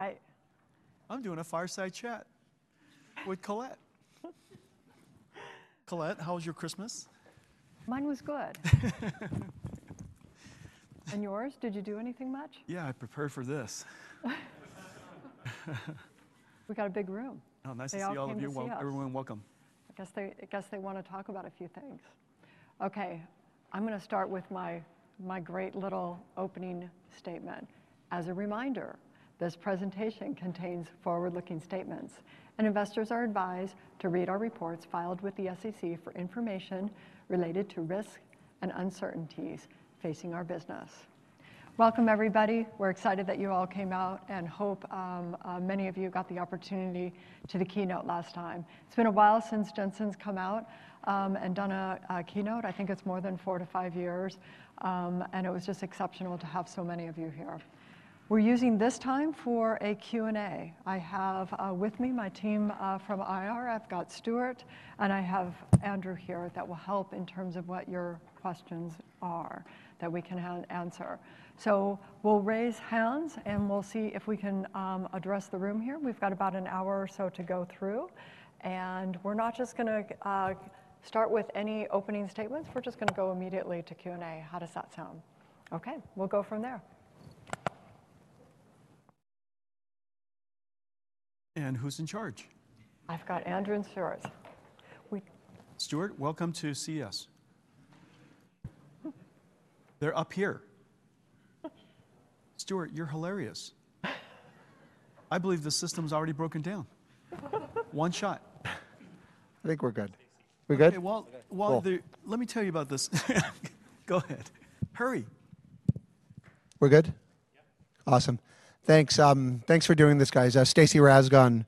I'm doing a fireside chat with Colette. Colette, how was your Christmas? Mine was good. And yours? Did you do anything much? Yeah, I prepared for this. We got a big room. Oh, nice to see all of you. They all seem to be. Everyone, welcome. I guess they want to talk about a few things. Okay, I'm going to start with my great little opening statement. As a reminder, this presentation contains forward-looking statements, and investors are advised to read our reports filed with the SEC for information related to risk and uncertainties facing our business. Welcome, everybody. We're excited that you all came out and hope many of you got the opportunity to do the keynote last time. It's been a while since Jensen's come out and done a keynote. I think it's more than four to five years, and it was just exceptional to have so many of you here. We're using this time for a Q&A. I have with me my team from IR. I've got Stewart, and I have Andrew here that will help in terms of what your questions are that we can answer. So we'll raise hands, and we'll see if we can address the room here. We've got about an hour or so to go through, and we're not just going to start with any opening statements. We're just going to go immediately to Q&A. How does that sound? Okay, we'll go from there. Who's in charge? I've got Andrew and Stewart. Stewart, welcome to see us. They're up here. Stewart, you're hilarious. I believe the system's already broken down. One shot. I think we're good. We're good? We're good. Let me tell you about this. Go ahead. Hurry. We're good? Yep. Awesome. Thanks. Thanks for doing this, guys. Stacy Rasgon,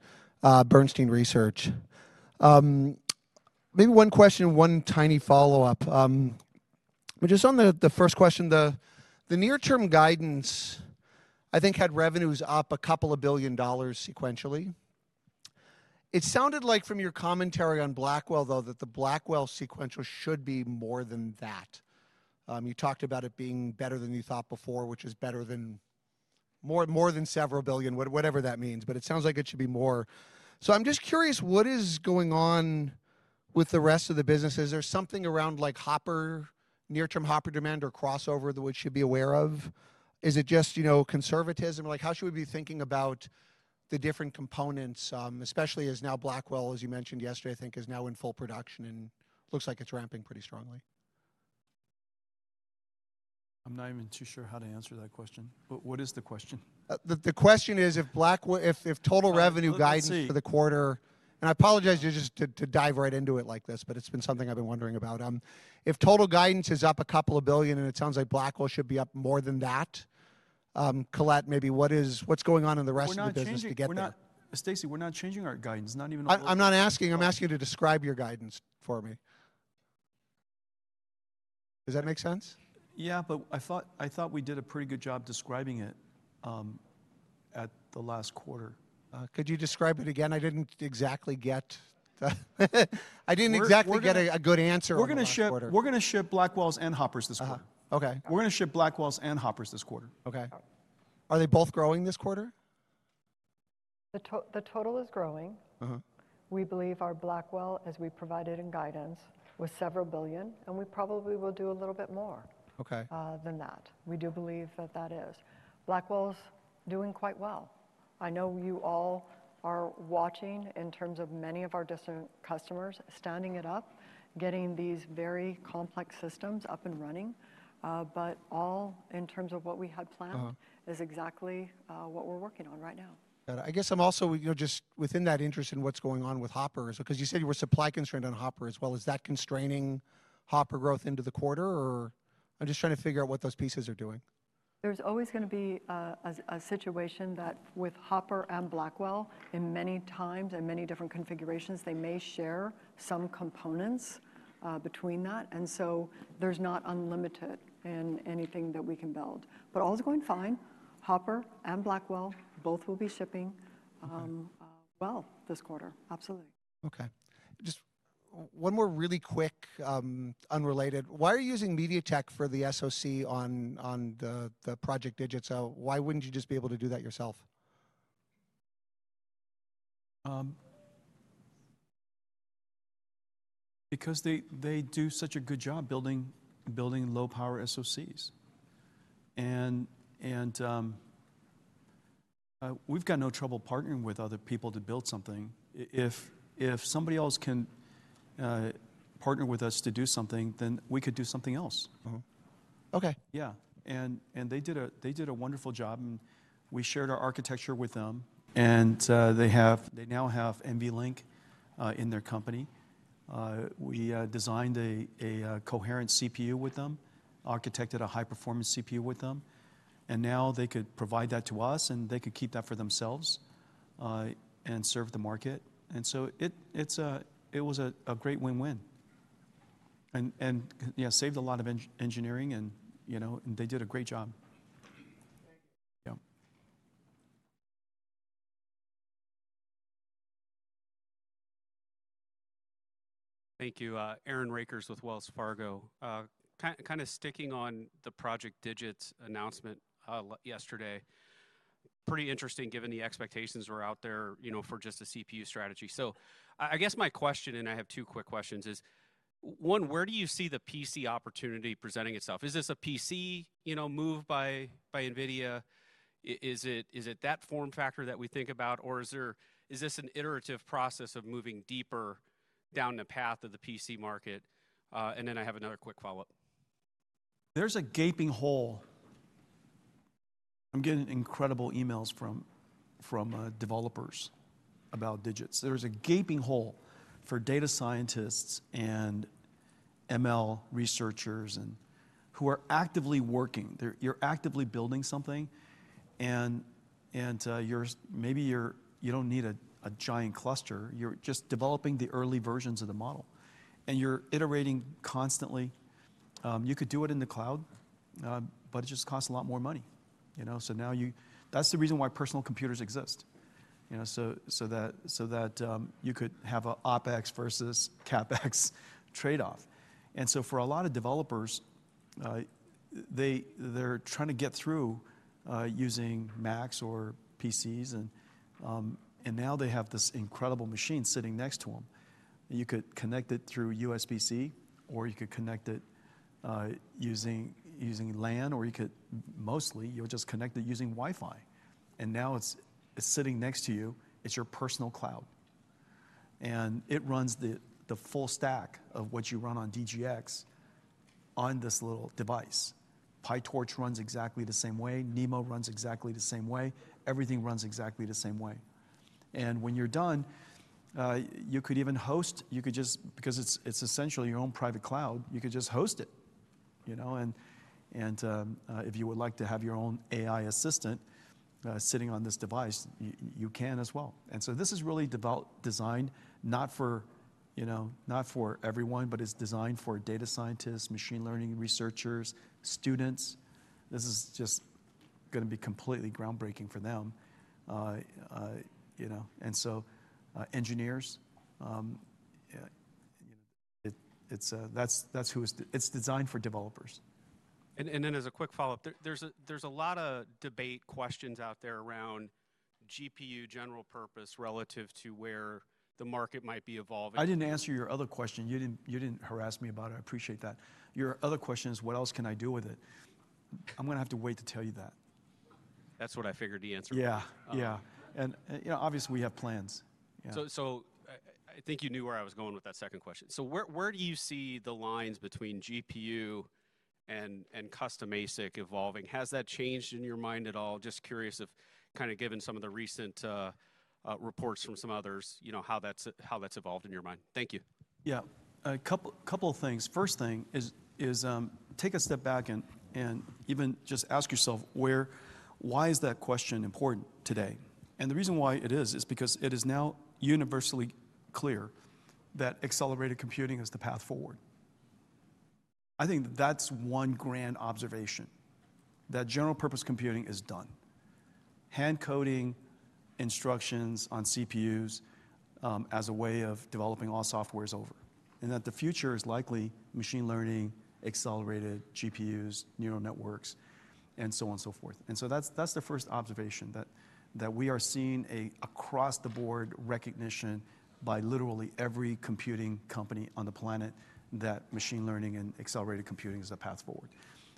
Bernstein Research. Maybe one question, one tiny follow-up. Just on the first question, the near-term guidance, I think, had revenues up a couple of billion dollars sequentially. It sounded like from your commentary on Blackwell, though, that the Blackwell sequential should be more than that. You talked about it being better than you thought before, which is better than more than several billion, whatever that means. But it sounds like it should be more. So I'm just curious, what is going on with the rest of the business? Is there something around near-term Hopper demand or crossover that we should be aware of? Is it just conservatism? How should we be thinking about the different components, especially as now Blackwell, as you mentioned yesterday, I think, is now in full production and looks like it's ramping pretty strongly? I'm not even too sure how to answer that question. What is the question? The question is, if total revenue guidance for the quarter - and I apologize to just dive right into it like this, but it's been something I've been wondering about. If total guidance is up a couple of billion and it sounds like Blackwell should be up more than that, Colette, maybe what's going on in the rest of the business to get there? Stacy, we're not changing our guidance. I'm not asking. I'm asking you to describe your guidance for me. Does that make sense? Yeah, but I thought we did a pretty good job describing it at the last quarter. Could you describe it again? I didn't exactly get a good answer on that quarter. We're going to ship Blackwells and Hoppers this quarter. Okay. We're going to ship Blackwells and Hoppers this quarter. Okay. Are they both growing this quarter? The total is growing. We believe our Blackwell, as we provided in guidance, was $several billion, and we probably will do a little bit more than that. We do believe that is. Blackwell's doing quite well. I know you all are watching in terms of many of our data center customers standing it up, getting these very complex systems up and running. But all in terms of what we had planned is exactly what we're working on right now. I guess I'm also just within that interest in what's going on with Hopper, because you said you were supply constrained on Hopper. Well, is that constraining Hopper growth into the quarter? Or I'm just trying to figure out what those pieces are doing. There's always going to be a situation that with Hopper and Blackwell, in many times and many different configurations, they may share some components between that. And so there's not unlimited in anything that we can build. But all is going fine. Hopper and Blackwell both will be shipping well this quarter. Absolutely. Okay. Just one more really quick, unrelated. Why are you using MediaTek for the SoC on the Project Digits? Why wouldn't you just be able to do that yourself? Because they do such a good job building low-power SoCs. And we've got no trouble partnering with other people to build something. If somebody else can partner with us to do something, then we could do something else. Okay. Yeah. And they did a wonderful job. And we shared our architecture with them. And they now have NVLink in their company. We designed a coherent CPU with them, architected a high-performance CPU with them. And now they could provide that to us, and they could keep that for themselves and serve the market. And so it was a great win-win. And saved a lot of engineering, and they did a great job. Thank you. Aaron Rakers with Wells Fargo. Kind of sticking on the Project DIGITS announcement yesterday. Pretty interesting given the expectations were out there for just a CPU strategy. So I guess my question, and I have two quick questions, is one, where do you see the PC opportunity presenting itself? Is this a PC move by NVIDIA? Is it that form factor that we think about? Or is this an iterative process of moving deeper down the path of the PC market? And then I have another quick follow-up. There's a gaping hole. I'm getting incredible emails from developers about digits. There's a gaping hole for data scientists and ML researchers who are actively working. You're actively building something, and maybe you don't need a giant cluster. You're just developing the early versions of the model. And you're iterating constantly. You could do it in the cloud, but it just costs a lot more money. So now that's the reason why personal computers exist, so that you could have an OpEx versus CapEx trade-off. And so for a lot of developers, they're trying to get through using Macs or PCs. And now they have this incredible machine sitting next to them. You could connect it through USB-C, or you could connect it using LAN, or you could mostly just connect it using Wi-Fi. And now it's sitting next to you. It's your personal cloud. It runs the full stack of what you run on DGX on this little device. PyTorch runs exactly the same way. NeMo runs exactly the same way. Everything runs exactly the same way. When you're done, you could even host it because it's essentially your own private cloud. You could just host it. If you would like to have your own AI assistant sitting on this device, you can as well. This is really designed not for everyone, but it's designed for data scientists, machine learning researchers, students. This is just going to be completely groundbreaking for them. Engineers, that's who it's designed for, developers. As a quick follow-up, there's a lot of debate questions out there around GPU general purpose relative to where the market might be evolving. I didn't answer your other question. You didn't harass me about it. I appreciate that. Your other question is, what else can I do with it? I'm going to have to wait to tell you that. That's what I figured the answer was. Yeah. Yeah, and obviously, we have plans. I think you knew where I was going with that second question. Where do you see the lines between GPU and custom ASIC evolving? Has that changed in your mind at all? Just curious of kind of given some of the recent reports from some others, how that's evolved in your mind. Thank you. Yeah. A couple of things. First thing is take a step back and even just ask yourself, why is that question important today? And the reason why it is, is because it is now universally clear that accelerated computing is the path forward. I think that's one grand observation, that general purpose computing is done. Hand coding instructions on CPUs as a way of developing all software is over. And that the future is likely machine learning, accelerated GPUs, neural networks, and so on and so forth. And so that's the first observation, that we are seeing across the board recognition by literally every computing company on the planet that machine learning and accelerated computing is a path forward.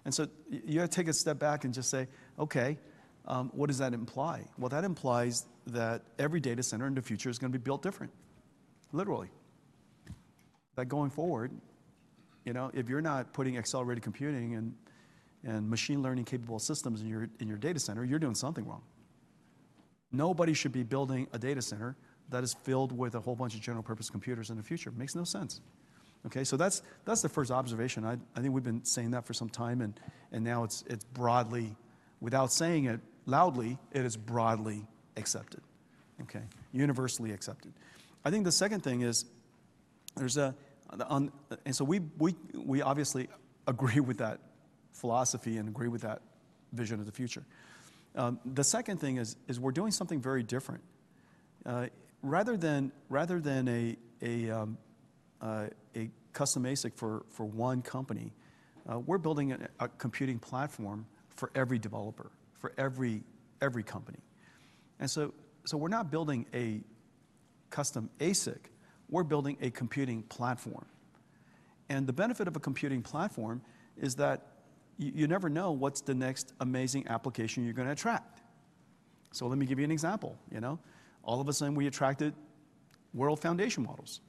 And so you have to take a step back and just say, okay, what does that imply? That implies that every data center in the future is going to be built different. Literally. Going forward, if you're not putting accelerated computing and machine learning capable systems in your data center, you're doing something wrong. Nobody should be building a data center that is filled with a whole bunch of general purpose computers in the future. Makes no sense. Okay? So that's the first observation. I think we've been saying that for some time, and now it's broadly, without saying it loudly, it is broadly accepted. Okay? Universally accepted. I think the second thing is, and so we obviously agree with that philosophy and agree with that vision of the future. The second thing is we're doing something very different. Rather than a custom ASIC for one company, we're building a computing platform for every developer, for every company. And so we're not building a custom ASIC. We're building a computing platform. And the benefit of a computing platform is that you never know what's the next amazing application you're going to attract. So let me give you an example. All of a sudden, we attracted world foundation models.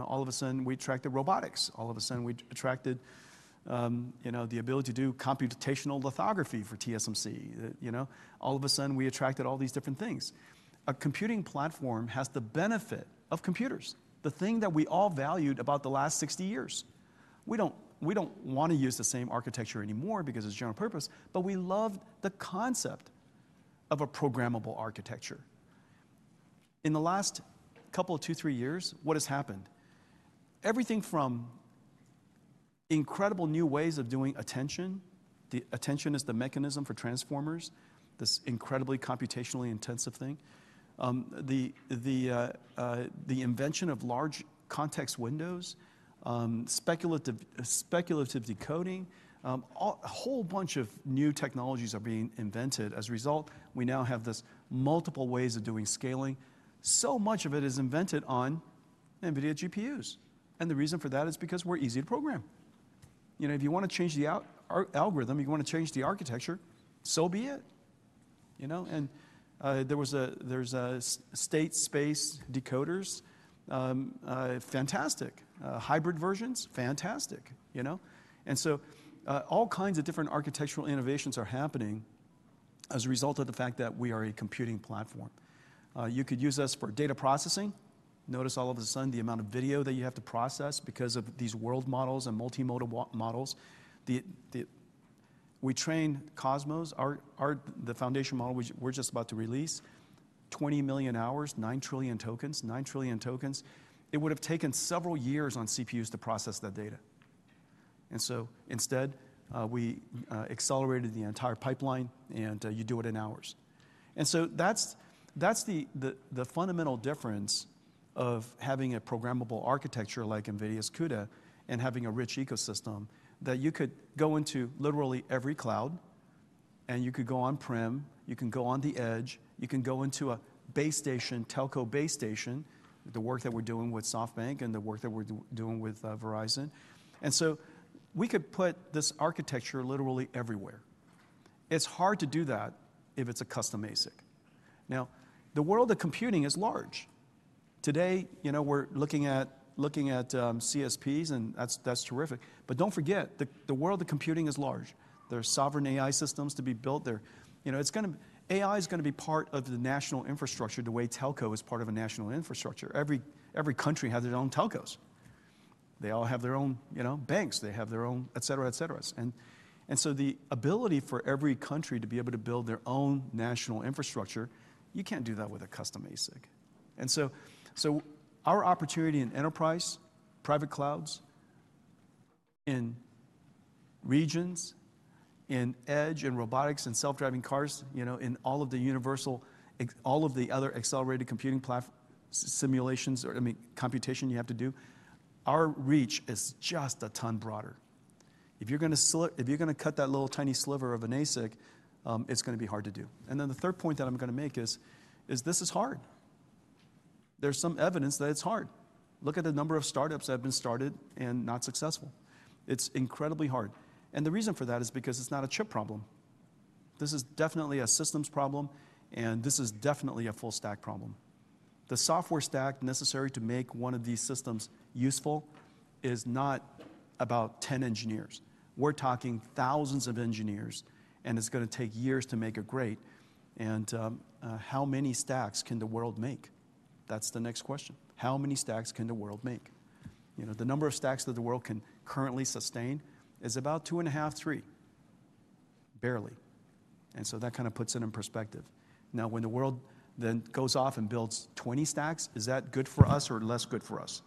All of a sudden, we attracted robotics. All of a sudden, we attracted the ability to do computational lithography for TSMC. All of a sudden, we attracted all these different things. A computing platform has the benefit of computers, the thing that we all valued about the last 60 years. We don't want to use the same architecture anymore because it's general purpose, but we love the concept of a programmable architecture. In the last couple of two, three years, what has happened? Everything from incredible new ways of doing attention, the attention is the mechanism for transformers, this incredibly computationally intensive thing, the invention of large context windows, speculative decoding, a whole bunch of new technologies are being invented. As a result, we now have this multiple ways of doing scaling. So much of it is invented on NVIDIA GPUs. And the reason for that is because we're easy to program. If you want to change the algorithm, you want to change the architecture, so be it. And there's state space decoders, fantastic. Hybrid versions, fantastic. And so all kinds of different architectural innovations are happening as a result of the fact that we are a computing platform. You could use us for data processing. Notice all of a sudden, the amount of video that you have to process because of these world models and multimodal models. We trained Cosmos, the foundation model we're just about to release, 20 million hours, 9 trillion tokens, 9 trillion tokens. It would have taken several years on CPUs to process that data, and so instead, we accelerated the entire pipeline, and you do it in hours, and so that's the fundamental difference of having a programmable architecture like NVIDIA's CUDA and having a rich ecosystem that you could go into literally every cloud, and you could go on-prem, on the edge, you can go into a base station, telco base station, the work that we're doing with SoftBank and the work that we're doing with Verizon, and so we could put this architecture literally everywhere. It's hard to do that if it's a custom ASIC. Now, the world of computing is large. Today, we're looking at CSPs, and that's terrific. But don't forget, the world of computing is large. There are Sovereign AI systems to be built there. AI is going to be part of the national infrastructure the way telco is part of a national infrastructure. Every country has its own telcos. They all have their own banks. They have their own, et cetera, et cetera. And so the ability for every country to be able to build their own national infrastructure, you can't do that with a custom ASIC. And so our opportunity in enterprise, private clouds, in regions, in edge, in robotics, in self-driving cars, in all of the universal, all of the other accelerated computing simulations, I mean, computation you have to do, our reach is just a ton broader. If you're going to cut that little tiny sliver of an ASIC, it's going to be hard to do. And then the third point that I'm going to make is this is hard. There's some evidence that it's hard. Look at the number of startups that have been started and not successful. It's incredibly hard. And the reason for that is because it's not a chip problem. This is definitely a systems problem, and this is definitely a full stack problem. The software stack necessary to make one of these systems useful is not about 10 engineers. We're talking thousands of engineers, and it's going to take years to make it great. And how many stacks can the world make? That's the next question. How many stacks can the world make? The number of stacks that the world can currently sustain is about two and a half, three, barely. And so that kind of puts it in perspective. Now, when the world then goes off and builds 20 stacks, is that good for us or less good for us?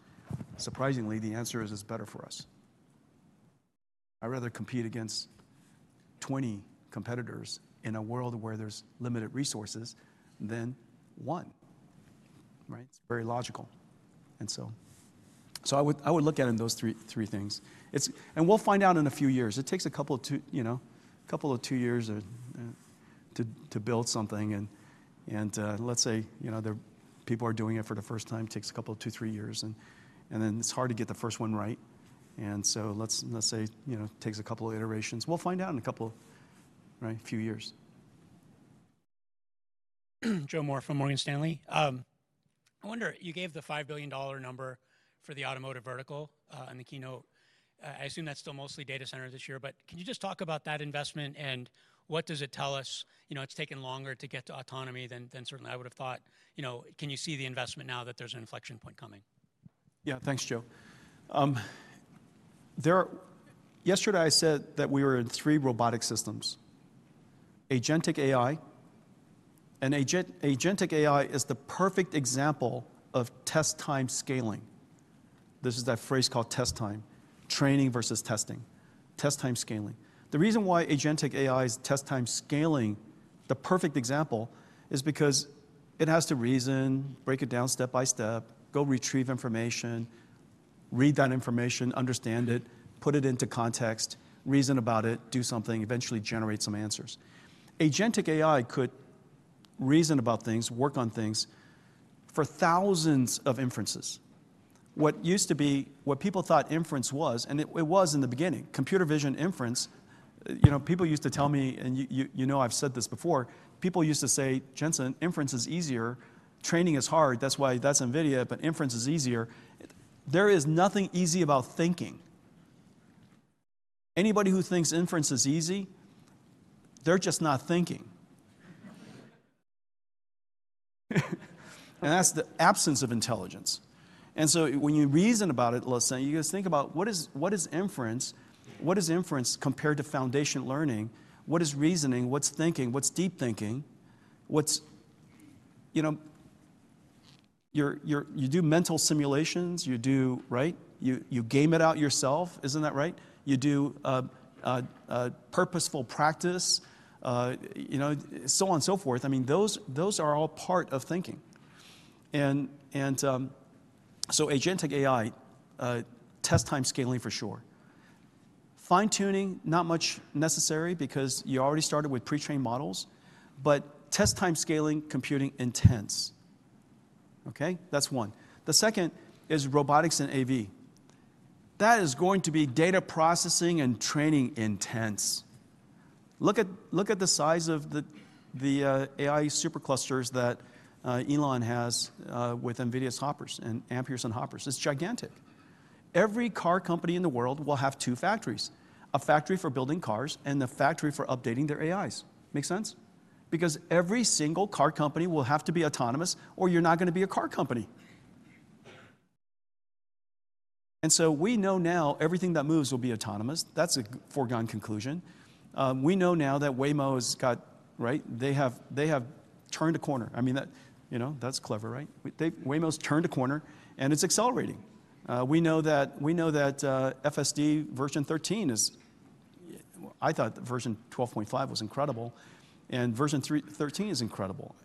Surprisingly, the answer is it's better for us. I'd rather compete against 20 competitors in a world where there's limited resources than one. Right? It's very logical, and so I would look at it in those three things, and we'll find out in a few years. It takes a couple of two years to build something, and let's say people are doing it for the first time, takes a couple of two, three years, and then it's hard to get the first one right, and so let's say it takes a couple of iterations. We'll find out in a couple of few years. Joe Moore from Morgan Stanley. I wonder, you gave the $5 billion number for the automotive vertical in the keynote. I assume that's still mostly data centers this year. But can you just talk about that investment and what does it tell us? It's taken longer to get to autonomy than certainly I would have thought. Can you see the investment now that there's an inflection point coming? Yeah, thanks, Joe. Yesterday, I said that we were in three robotic systems. Agentic AI, and agentic AI is the perfect example of test-time scaling. This is that phrase called test time, training versus testing. Test-time scaling. The reason why agentic AI is test-time scaling, the perfect example, is because it has to reason, break it down step by step, go retrieve information, read that information, understand it, put it into context, reason about it, do something, eventually generate some answers. Agentic AI could reason about things, work on things for thousands of inferences. What used to be what people thought inference was, and it was in the beginning, computer vision inference, people used to tell me, and you know I've said this before, people used to say, "Jensen, inference is easier. Training is hard. That's why that's NVIDIA, but inference is easier." There is nothing easy about thinking. Anybody who thinks inference is easy, they're just not thinking. And that's the absence of intelligence. And so when you reason about it, let's say, you just think about what is inference? What is inference compared to foundation learning? What is reasoning? What's thinking? What's deep thinking? You do mental simulations, right? You game it out yourself, isn't that right? You do purposeful practice, so on and so forth. I mean, those are all part of thinking. And so agentic AI, test-time scaling for sure. Fine-tuning, not much necessary because you already started with pre-trained models, but test-time scaling computing intense. Okay? That's one. The second is robotics and AV. That is going to be data processing and training intense. Look at the size of the AI superclusters that Elon has with NVIDIA's Hoppers and Amperes and Hoppers. It's gigantic. Every car company in the world will have two factories: a factory for building cars and a factory for updating their AIs. Makes sense? Because every single car company will have to be autonomous or you're not going to be a car company. And so we know now everything that moves will be autonomous. That's a foregone conclusion. We know now that Waymo has got, right? They have turned a corner. I mean, that's clever, right? Waymo's turned a corner, and it's accelerating. We know that FSD version 13 is, I thought version 12.5 was incredible, and version 13 is incredible.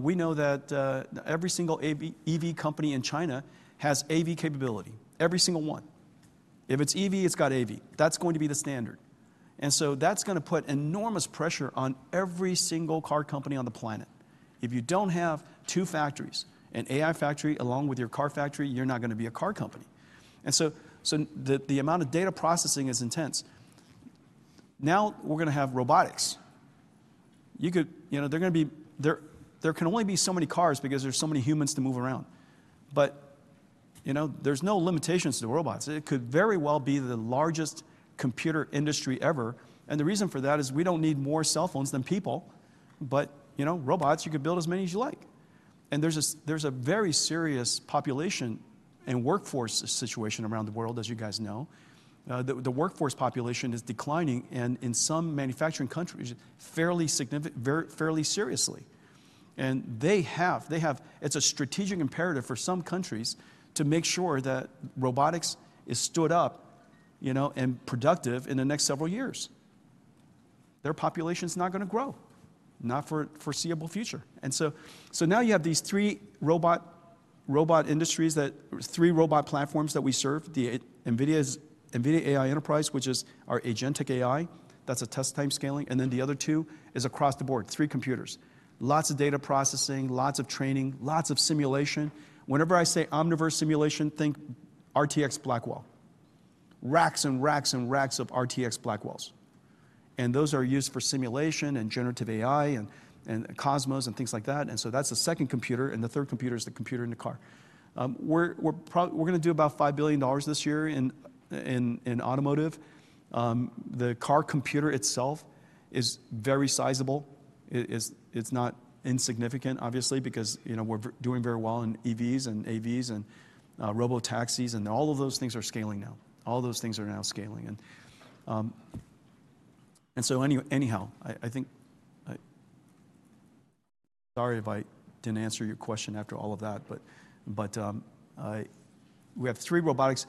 We know that every single EV company in China has AV capability, every single one. If it's EV, it's got AV. That's going to be the standard. And so that's going to put enormous pressure on every single car company on the planet. If you don't have two factories, an AI factory along with your car factory, you're not going to be a car company. And so the amount of data processing is intense. Now we're going to have robotics. There can only be so many cars because there's so many humans to move around. But there's no limitations to robots. It could very well be the largest computer industry ever. And the reason for that is we don't need more cell phones than people, but robots, you could build as many as you like. And there's a very serious population and workforce situation around the world, as you guys know. The workforce population is declining in some manufacturing countries fairly seriously. It's a strategic imperative for some countries to make sure that robotics is stood up and productive in the next several years. Their population is not going to grow, not for a foreseeable future. Now you have these three robot industries, three robot platforms that we serve, the NVIDIA AI Enterprise, which is our agentic AI, that's a test time scaling. The other two are across the board, three computers, lots of data processing, lots of training, lots of simulation. Whenever I say Omniverse simulation, think RTX Blackwell, racks and racks and racks of RTX Blackwells. Those are used for simulation and generative AI and Cosmos and things like that. That's the second computer, and the third computer is the computer in the car. We're going to do about $5 billion this year in automotive. The car computer itself is very sizable. It's not insignificant, obviously, because we're doing very well in EVs and AVs and robotaxis, and all of those things are scaling now. All those things are now scaling. And so anyhow, I think, sorry if I didn't answer your question after all of that, but we have three robotics.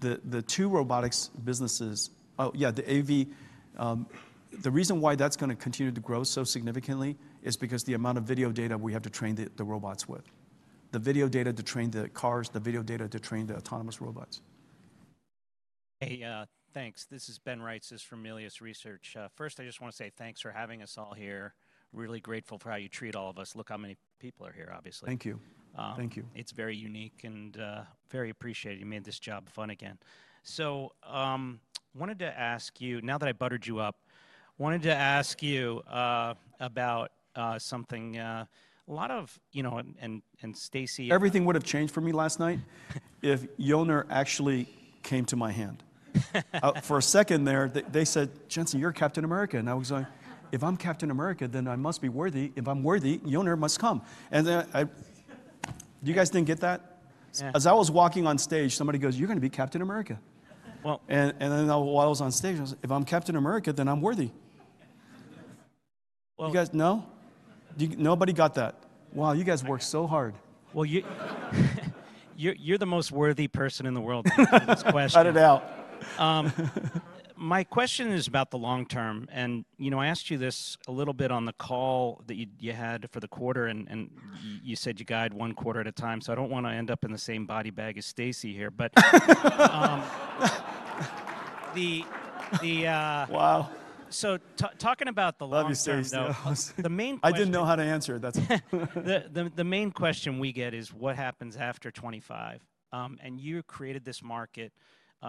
The two robotics businesses, oh yeah, the AV, the reason why that's going to continue to grow so significantly is because the amount of video data we have to train the robots with, the video data to train the cars, the video data to train the autonomous robots. Hey, thanks. This is Ben Reitzes from Melius Research. First, I just want to say thanks for having us all here. Really grateful for how you treat all of us. Look how many people are here, obviously. Thank you. Thank you. It's very unique and very appreciated. You made this job fun again. So I wanted to ask you, now that I buttered you up, I wanted to ask you about something. A lot of, and Stacy. Everything would have changed for me last night if Mjolnir actually came to my hand. For a second there, they said, "Jensen, you're Captain America." And I was like, "If I'm Captain America, then I must be worthy. If I'm worthy, Mjolnir must come." And you guys didn't get that? As I was walking on stage, somebody goes, "You're going to be Captain America." And then while I was on stage, I was like, "If I'm Captain America, then I'm worthy." You guys know? Nobody got that. Wow, you guys worked so hard. You're the most worthy person in the world to answer this question. Cut it out. My question is about the long term. And I asked you this a little bit on the call that you had for the quarter, and you said you guide one quarter at a time. So I don't want to end up in the same body bag as Stacy here, but the. Wow. Talking about the long term. Love you, Stacy. The main question. I didn't know how to answer it. The main question we get is what happens after 25? And you created this market.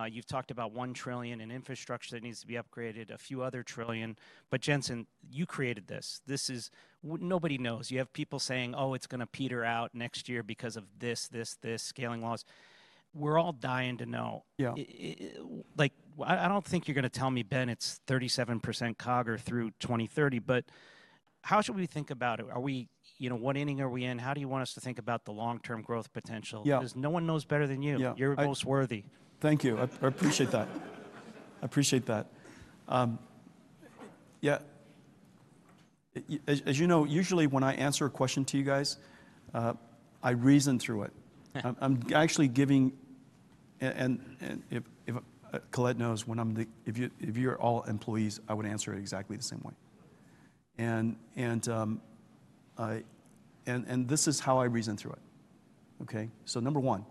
You've talked about $1 trillion in infrastructure that needs to be upgraded, a few other trillion. But Jensen, you created this. Nobody knows. You have people saying, "Oh, it's going to peter out next year because of this, this, this scaling laws." We're all dying to know. I don't think you're going to tell me, "Ben, it's 37% CAGR through 2030." But how should we think about it? What inning are we in? How do you want us to think about the long-term growth potential? Because no one knows better than you. You're the most worthy. Thank you. I appreciate that. I appreciate that. Yeah. As you know, usually when I answer a question to you guys, I reason through it. I'm actually giving, and Colette knows, if you're all employees, I would answer it exactly the same way, and this is how I reason through it. Okay? So number one,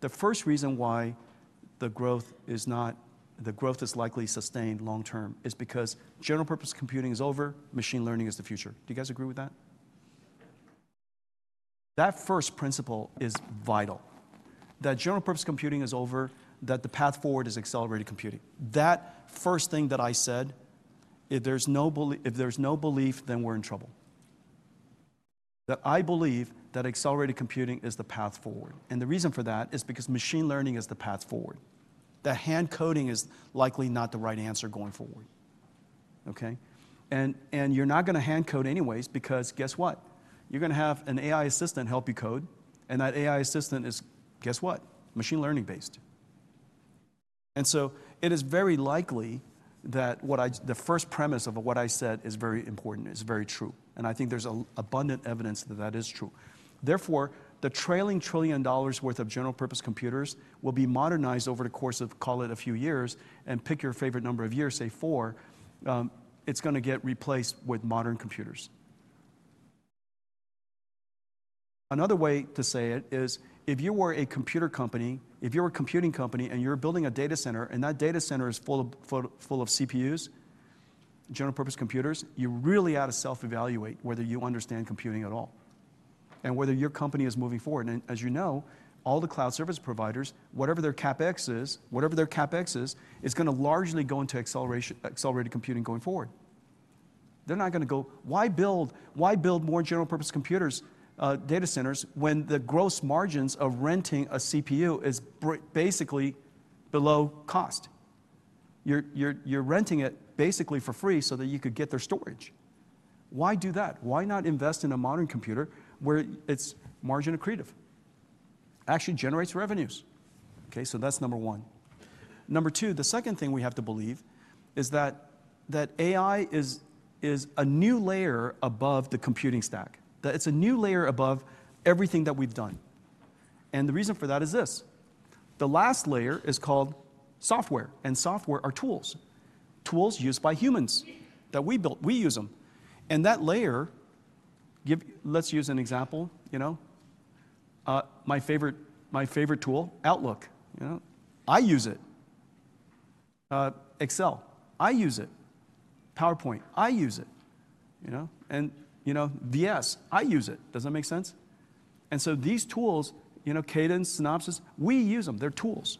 the first reason why the growth is likely sustained long term is because general purpose computing is over, machine learning is the future. Do you guys agree with that? That first principle is vital. That general purpose computing is over, that the path forward is accelerated computing. That first thing that I said, if there's no belief, then we're in trouble. That I believe that accelerated computing is the path forward, and the reason for that is because machine learning is the path forward. That hand coding is likely not the right answer going forward. Okay? And you're not going to hand code anyways because guess what? You're going to have an AI assistant help you code, and that AI assistant is, guess what? Machine learning based. And so it is very likely that the first premise of what I said is very important, is very true. And I think there's abundant evidence that that is true. Therefore, the trailing $1 trillion worth of general purpose computers will be modernized over the course of, call it a few years, and pick your favorite number of years, say four, it's going to get replaced with modern computers. Another way to say it is, if you were a computer company, if you're a computing company and you're building a data center and that data center is full of CPUs, general purpose computers, you really ought to self-evaluate whether you understand computing at all and whether your company is moving forward. And as you know, all the cloud service providers, whatever their CapEx is, whatever their CapEx is, is going to largely go into accelerated computing going forward. They're not going to go, "Why build more general purpose computers, data centers, when the gross margins of renting a CPU is basically below cost?" You're renting it basically for free so that you could get their storage. Why do that? Why not invest in a modern computer where it's margin accretive, actually generates revenues? Okay? So that's number one. Number two, the second thing we have to believe is that AI is a new layer above the computing stack. That it's a new layer above everything that we've done. The reason for that is this. The last layer is called software, and software are tools, tools used by humans that we build. We use them, and that layer, let's use an example. My favorite tool, Outlook, I use it. Excel, I use it. PowerPoint, I use it, and VS, I use it. Does that make sense? So these tools, Cadence, Synopsys, we use them. They're tools.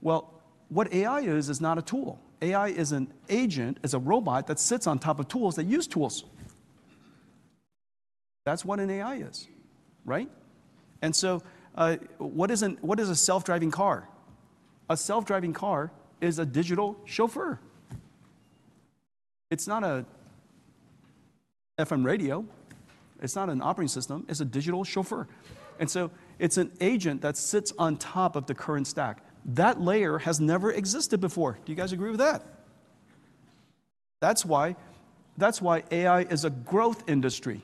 What AI is, is not a tool. AI is an agent, is a robot that sits on top of tools that use tools. That's what an AI is, right? What is a self-driving car? A self-driving car is a digital chauffeur. It's not an FM radio. It's not an operating system. It's a digital chauffeur. And so it's an agent that sits on top of the current stack. That layer has never existed before. Do you guys agree with that? That's why AI is a growth industry.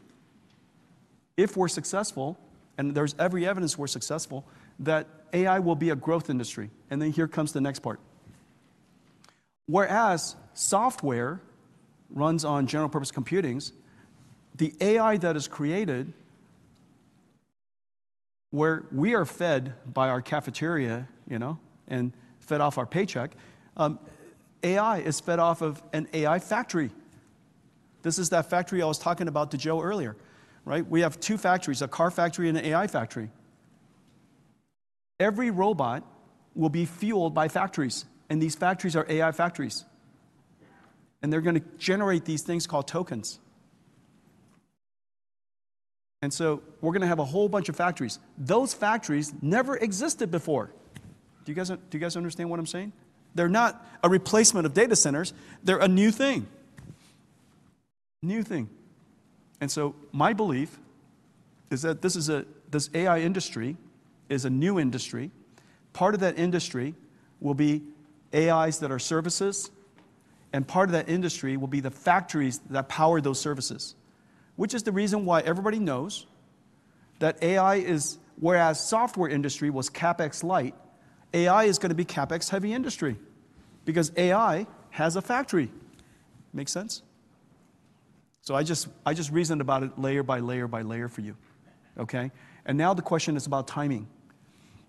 If we're successful, and there's every evidence we're successful, that AI will be a growth industry. And then here comes the next part. Whereas software runs on general purpose computing, the AI that is created, where we are fed by our cafeteria and fed off our paycheck, AI is fed off of an AI factory. This is that factory I was talking about to Joe earlier, right? We have two factories, a car factory and an AI factory. Every robot will be fueled by factories, and these factories are AI factories. And they're going to generate these things called tokens. And so we're going to have a whole bunch of factories. Those factories never existed before. Do you guys understand what I'm saying? They're not a replacement of data centers. They're a new thing. New thing. And so my belief is that this AI industry is a new industry. Part of that industry will be AIs that are services, and part of that industry will be the factories that power those services, which is the reason why everybody knows that AI is, whereas the software industry was CapEx light, AI is going to be CapEx heavy industry because AI has a factory. Makes sense? So I just reasoned about it layer by layer by layer for you. Okay? And now the question is about timing.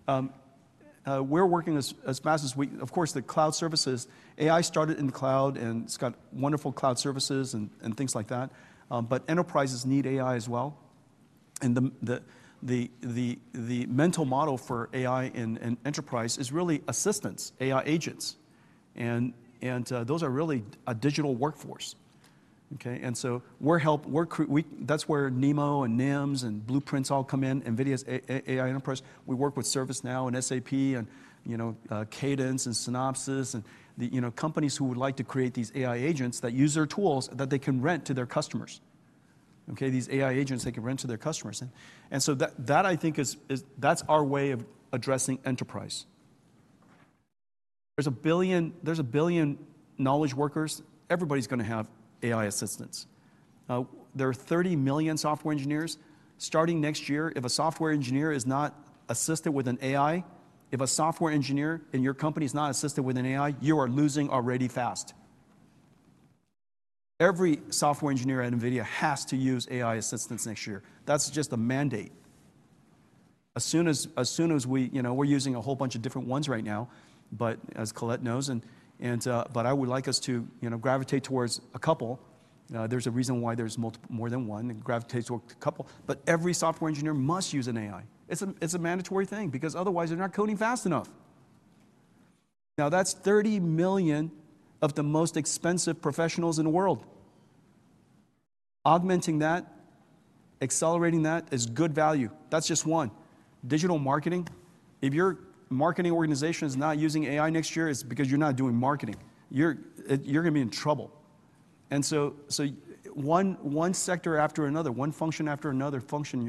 We're working as fast as we, of course, the cloud services. AI started in the cloud, and it's got wonderful cloud services and things like that. But enterprises need AI as well. And the mental model for AI in enterprise is really assistants, AI agents. And those are really a digital workforce. Okay? And so that's where NeMo and NIMs and Blueprints all come in, NVIDIA's AI Enterprise. We work with ServiceNow and SAP and Cadence and Synopsys, and companies who would like to create these AI agents that use their tools that they can rent to their customers. Okay? These AI agents, they can rent to their customers. And so that, I think, is our way of addressing enterprise. There's a billion knowledge workers. Everybody's going to have AI assistants. There are 30 million software engineers. Starting next year, if a software engineer is not assisted with an AI, if a software engineer in your company is not assisted with an AI, you are losing already fast. Every software engineer at NVIDIA has to use AI assistants next year. That's just a mandate. As soon as we're using a whole bunch of different ones right now, but as Colette knows, but I would like us to gravitate towards a couple. There's a reason why there's more than one, and gravitate towards a couple. But every software engineer must use an AI. It's a mandatory thing because otherwise they're not coding fast enough. Now, that's 30 million of the most expensive professionals in the world. Augmenting that, accelerating that is good value. That's just one. Digital marketing. If your marketing organization is not using AI next year, it's because you're not doing marketing. You're going to be in trouble. And so one sector after another, one function after another function in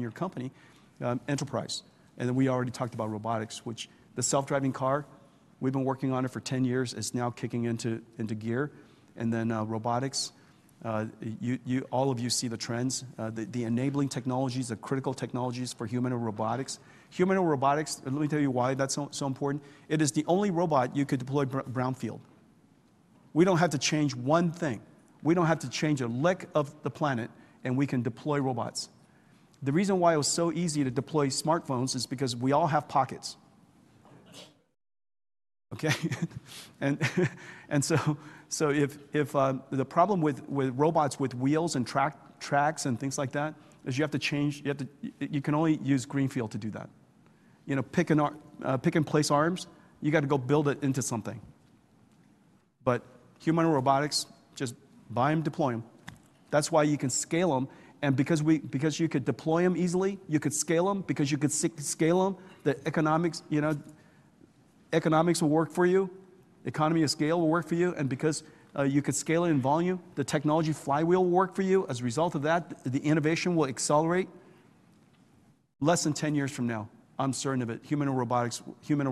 your company, enterprise. And then we already talked about robotics, which the self-driving car, we've been working on it for 10 years. It's now kicking into gear. And then robotics, all of you see the trends, the enabling technologies, the critical technologies for humanoid robotics. Humanoid robotics, let me tell you why that's so important. It is the only robot you could deploy at Brownfield. We don't have to change one thing. We don't have to change a lick of the planet, and we can deploy robots. The reason why it was so easy to deploy smartphones is because we all have pockets. Okay? And so the problem with robots with wheels and tracks and things like that is you have to change, you can only use Greenfield to do that. Pick and place arms, you got to go build it into something. But humanoid robotics, just buy them, deploy them. That's why you can scale them. And because you could deploy them easily, you could scale them, because you could scale them, the economics will work for you. Economy of scale will work for you. And because you could scale it in volume, the technology flywheel will work for you. As a result of that, the innovation will accelerate less than 10 years from now. I'm certain of it. Humanoid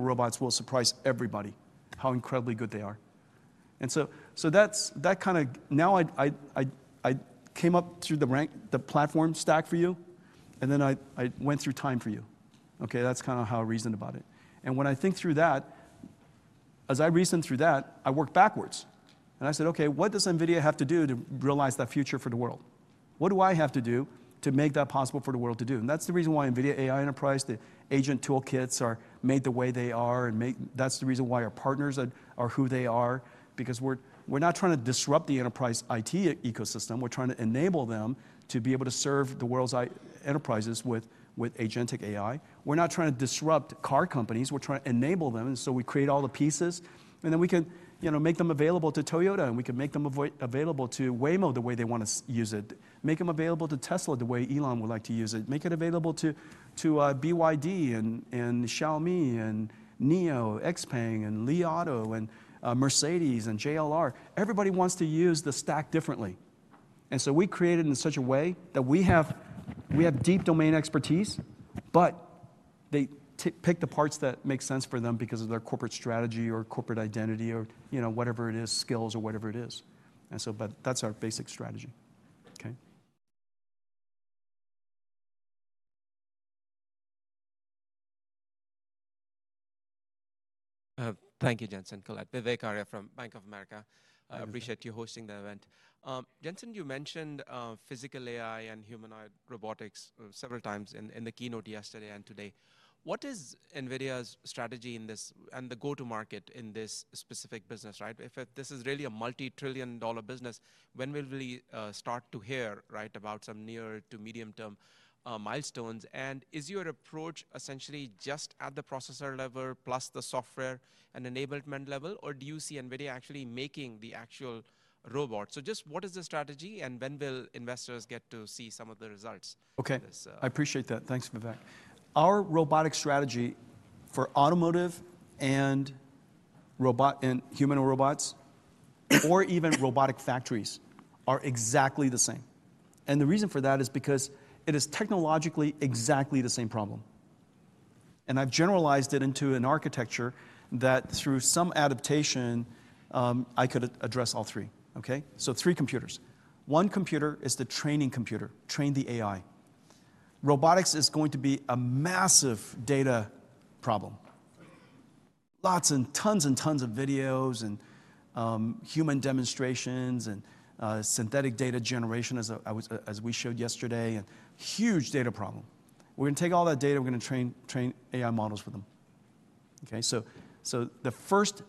robots will surprise everybody how incredibly good they are. And so that kind of now I came up through the platform stack for you, and then I went through time for you. Okay? That's kind of how I reasoned about it. And when I think through that, as I reasoned through that, I work backwards. And I said, "Okay, what does NVIDIA have to do to realize that future for the world? What do I have to do to make that possible for the world to do?" And that's the reason why NVIDIA AI Enterprise, the agent toolkits are made the way they are. And that's the reason why our partners are who they are, because we're not trying to disrupt the enterprise IT ecosystem. We're trying to enable them to be able to serve the world's enterprises with agentic AI. We're not trying to disrupt car companies. We're trying to enable them. And so we create all the pieces, and then we can make them available to Toyota, and we can make them available to Waymo the way they want to use it, make them available to Tesla the way Elon would like to use it, make it available to BYD and Xiaomi and NIO, XPeng and Li Auto and Mercedes and JLR. Everybody wants to use the stack differently. And so we create it in such a way that we have deep domain expertise, but they pick the parts that make sense for them because of their corporate strategy or corporate identity or whatever it is, skills or whatever it is. And so, but that's our basic strategy. Okay? Thank you, Jensen. Colette. Vivek Arya from Bank of America. I appreciate you hosting the event. Jensen, you mentioned physical AI and humanoid robotics several times in the keynote yesterday and today. What is NVIDIA's strategy in this and the go-to-market in this specific business, right? If this is really a multi-trillion-dollar business, when will we start to hear about some near- to medium-term milestones? And is your approach essentially just at the processor level plus the software and enablement level, or do you see NVIDIA actually making the actual robot? So just what is the strategy and when will investors get to see some of the results? Okay. I appreciate that. Thanks, Vivek. Our robotic strategy for automotive and humanoid robots or even robotic factories are exactly the same. And the reason for that is because it is technologically exactly the same problem. And I've generalized it into an architecture that through some adaptation, I could address all three. Okay? So three computers. One computer is the training computer, train the AI. Robotics is going to be a massive data problem. Lots and tons and tons of videos and human demonstrations and synthetic data generation, as we showed yesterday, and huge data problem. We're going to take all that data. We're going to train AI models for them. Okay? So the first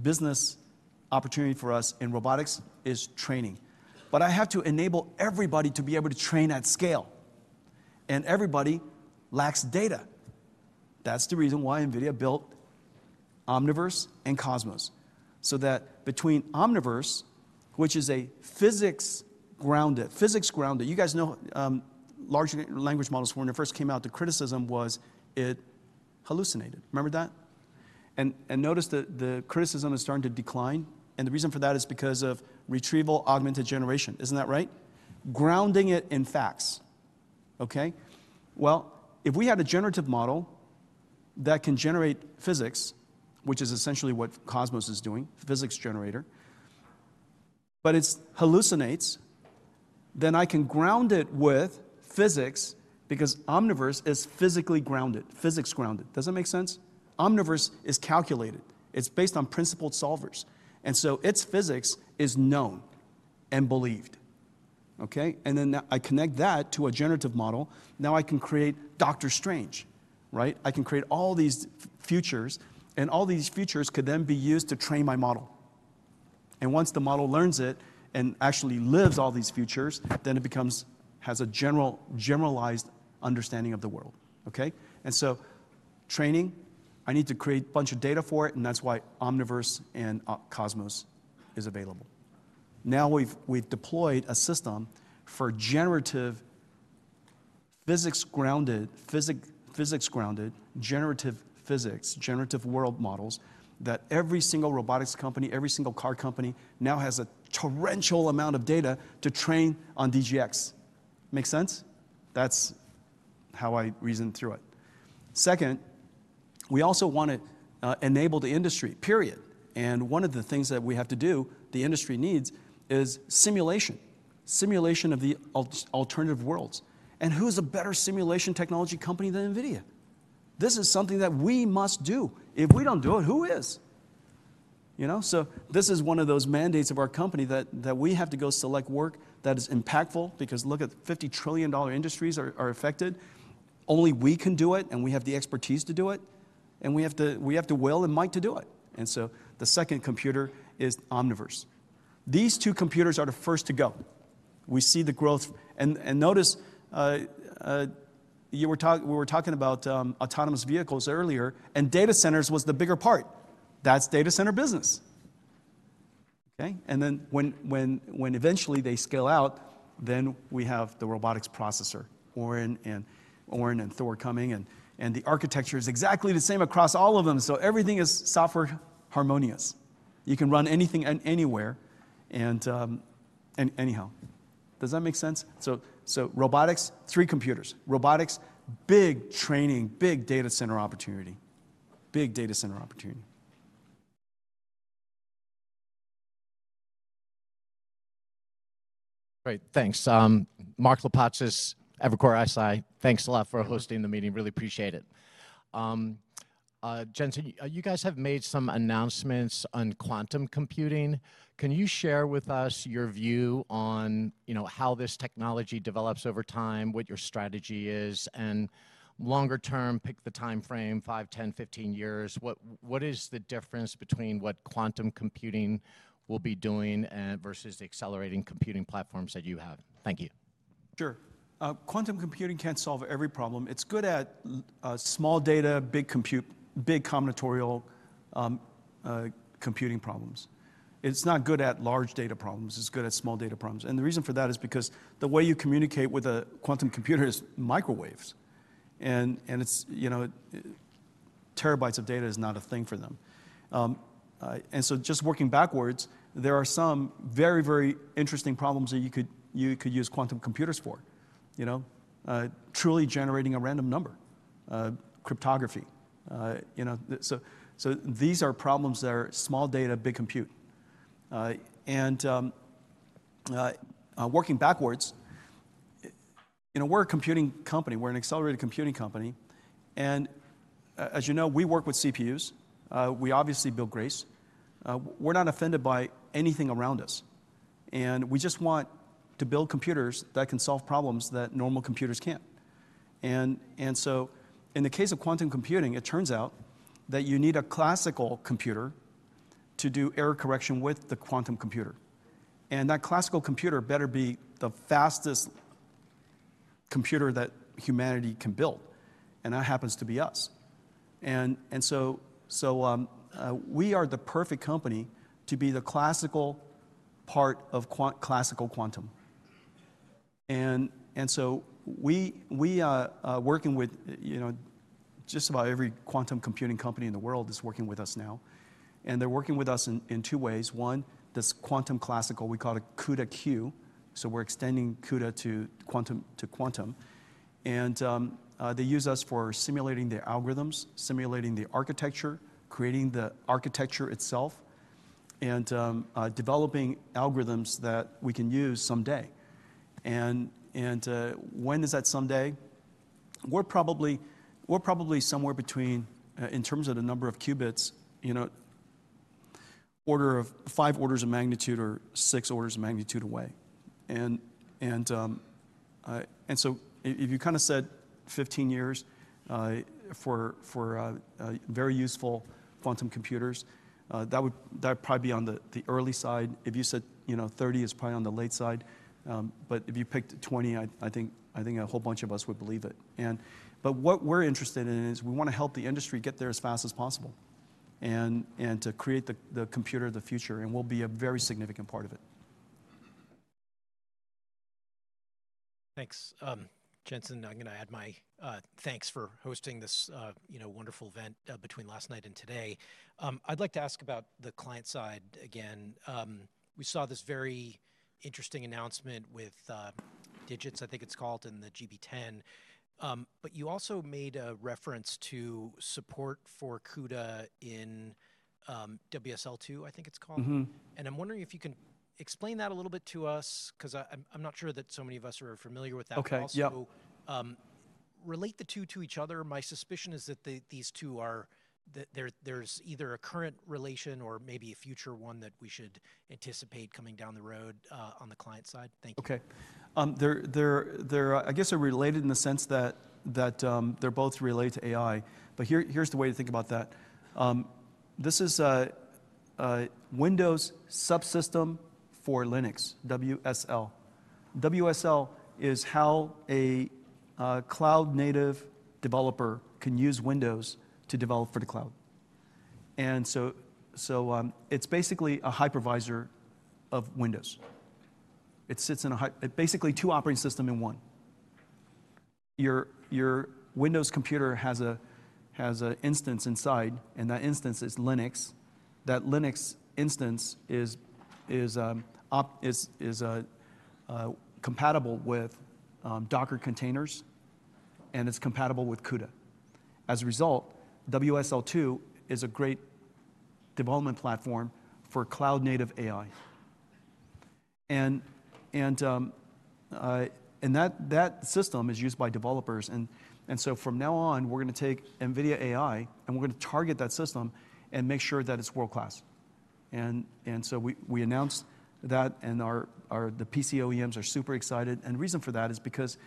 business opportunity for us in robotics is training. But I have to enable everybody to be able to train at scale. And everybody lacks data. That's the reason why NVIDIA built Omniverse and Cosmos. That between Omniverse, which is a physics-grounded, you guys know large language models, when it first came out, the criticism was it hallucinated. Remember that? Notice that the criticism is starting to decline. The reason for that is because of retrieval-augmented generation. Isn't that right? Grounding it in facts. Okay? If we had a generative model that can generate physics, which is essentially what Cosmos is doing, physics generator, but it hallucinates, then I can ground it with physics because Omniverse is physically grounded, physics-grounded. Does that make sense? Omniverse is calculated. It's based on principled solvers. Its physics is known and believed. Okay? Then I connect that to a generative model. Now I can create Dr. Strange, right? I can create all these futures, and all these futures could then be used to train my model. And once the model learns it and actually lives all these futures, then it becomes has a generalized understanding of the world. Okay? And so training, I need to create a bunch of data for it, and that's why Omniverse and Cosmos is available. Now we've deployed a system for generative physics-grounded world models that every single robotics company, every single car company now has a torrential amount of data to train on DGX. Makes sense? That's how I reasoned through it. Second, we also want to enable the industry, period. And one of the things that we have to do, the industry needs, is simulation of the alternative worlds. And who's a better simulation technology company than NVIDIA? This is something that we must do. If we don't do it, who is? This is one of those mandates of our company that we have to go select work that is impactful because look at $50 trillion industries are affected. Only we can do it, and we have the expertise to do it, and we have the will and might to do it. The second computer is Omniverse. These two computers are the first to go. We see the growth. Notice we were talking about autonomous vehicles earlier, and data centers was the bigger part. That's data center business. Okay? When eventually they scale out, then we have the robotics processor, Orin and Thor coming, and the architecture is exactly the same across all of them. Everything is software harmonious. You can run anything anywhere and anyhow. Does that make sense? Robotics, three computers. Robotics, big training, big data center opportunity, big data center opportunity. All right. Thanks. Mark Lipacis, Evercore ISI, thanks a lot for hosting the meeting. Really appreciate it. Jensen, you guys have made some announcements on quantum computing. Can you share with us your view on how this technology develops over time, what your strategy is, and longer term, pick the timeframe, five, 10, 15 years? What is the difference between what quantum computing will be doing versus the accelerated computing platforms that you have? Thank you. Sure. Quantum computing can't solve every problem. It's good at small data, big computation, big combinatorial computing problems. It's not good at large data problems. It's good at small data problems. And the reason for that is because the way you communicate with a quantum computer is microwaves. And terabytes of data is not a thing for them. And so just working backwards, there are some very, very interesting problems that you could use quantum computers for, truly generating a random number, cryptography. So these are problems that are small data, big compute. And working backwards, we're a computing company. We're an accelerated computing company. And as you know, we work with CPUs. We obviously build Grace. We're not offended by anything around us. And we just want to build computers that can solve problems that normal computers can't. And so in the case of quantum computing, it turns out that you need a classical computer to do error correction with the quantum computer. And that classical computer better be the fastest computer that humanity can build. And that happens to be us. And so we are the perfect company to be the classical part of classical quantum. And so we are working with just about every quantum computing company in the world is working with us now. And they're working with us in two ways. One, this quantum classical, we call it CUDA-Q. So we're extending CUDA to quantum. And they use us for simulating the algorithms, simulating the architecture, creating the architecture itself, and developing algorithms that we can use someday. And when is that someday? We're probably somewhere between, in terms of the number of qubits, order of five orders of magnitude or six orders of magnitude away, and so if you kind of said 15 years for very useful quantum computers, that would probably be on the early side. If you said 30 is probably on the late side, but if you picked 20, I think a whole bunch of us would believe it, but what we're interested in is we want to help the industry get there as fast as possible and to create the computer of the future, and we'll be a very significant part of it. Thanks. Jensen, I'm going to add my thanks for hosting this wonderful event between last night and today. I'd like to ask about the client side again. We saw this very interesting announcement with Digits, I think it's called, in the GB10. But you also made a reference to support for CUDA in WSL2, I think it's called. And I'm wondering if you can explain that a little bit to us because I'm not sure that so many of us are familiar with that. Okay. Yeah. So relate the two to each other. My suspicion is that these two are that there's either a current relation or maybe a future one that we should anticipate coming down the road on the client side. Thank you. Okay. I guess they're related in the sense that they're both related to AI, but here's the way to think about that. This is Windows Subsystem for Linux, WSL. WSL is how a cloud-native developer can use Windows to develop for the cloud, and so it's basically a hypervisor of Windows. It sits in a basically two operating systems in one. Your Windows computer has an instance inside, and that instance is Linux. That Linux instance is compatible with Docker containers, and it's compatible with CUDA. As a result, WSL2 is a great development platform for cloud-native AI. And that system is used by developers, and so from now on, we're going to take NVIDIA AI, and we're going to target that system and make sure that it's world-class. And so we announced that, and the PC OEMs are super excited. And the reason for that is because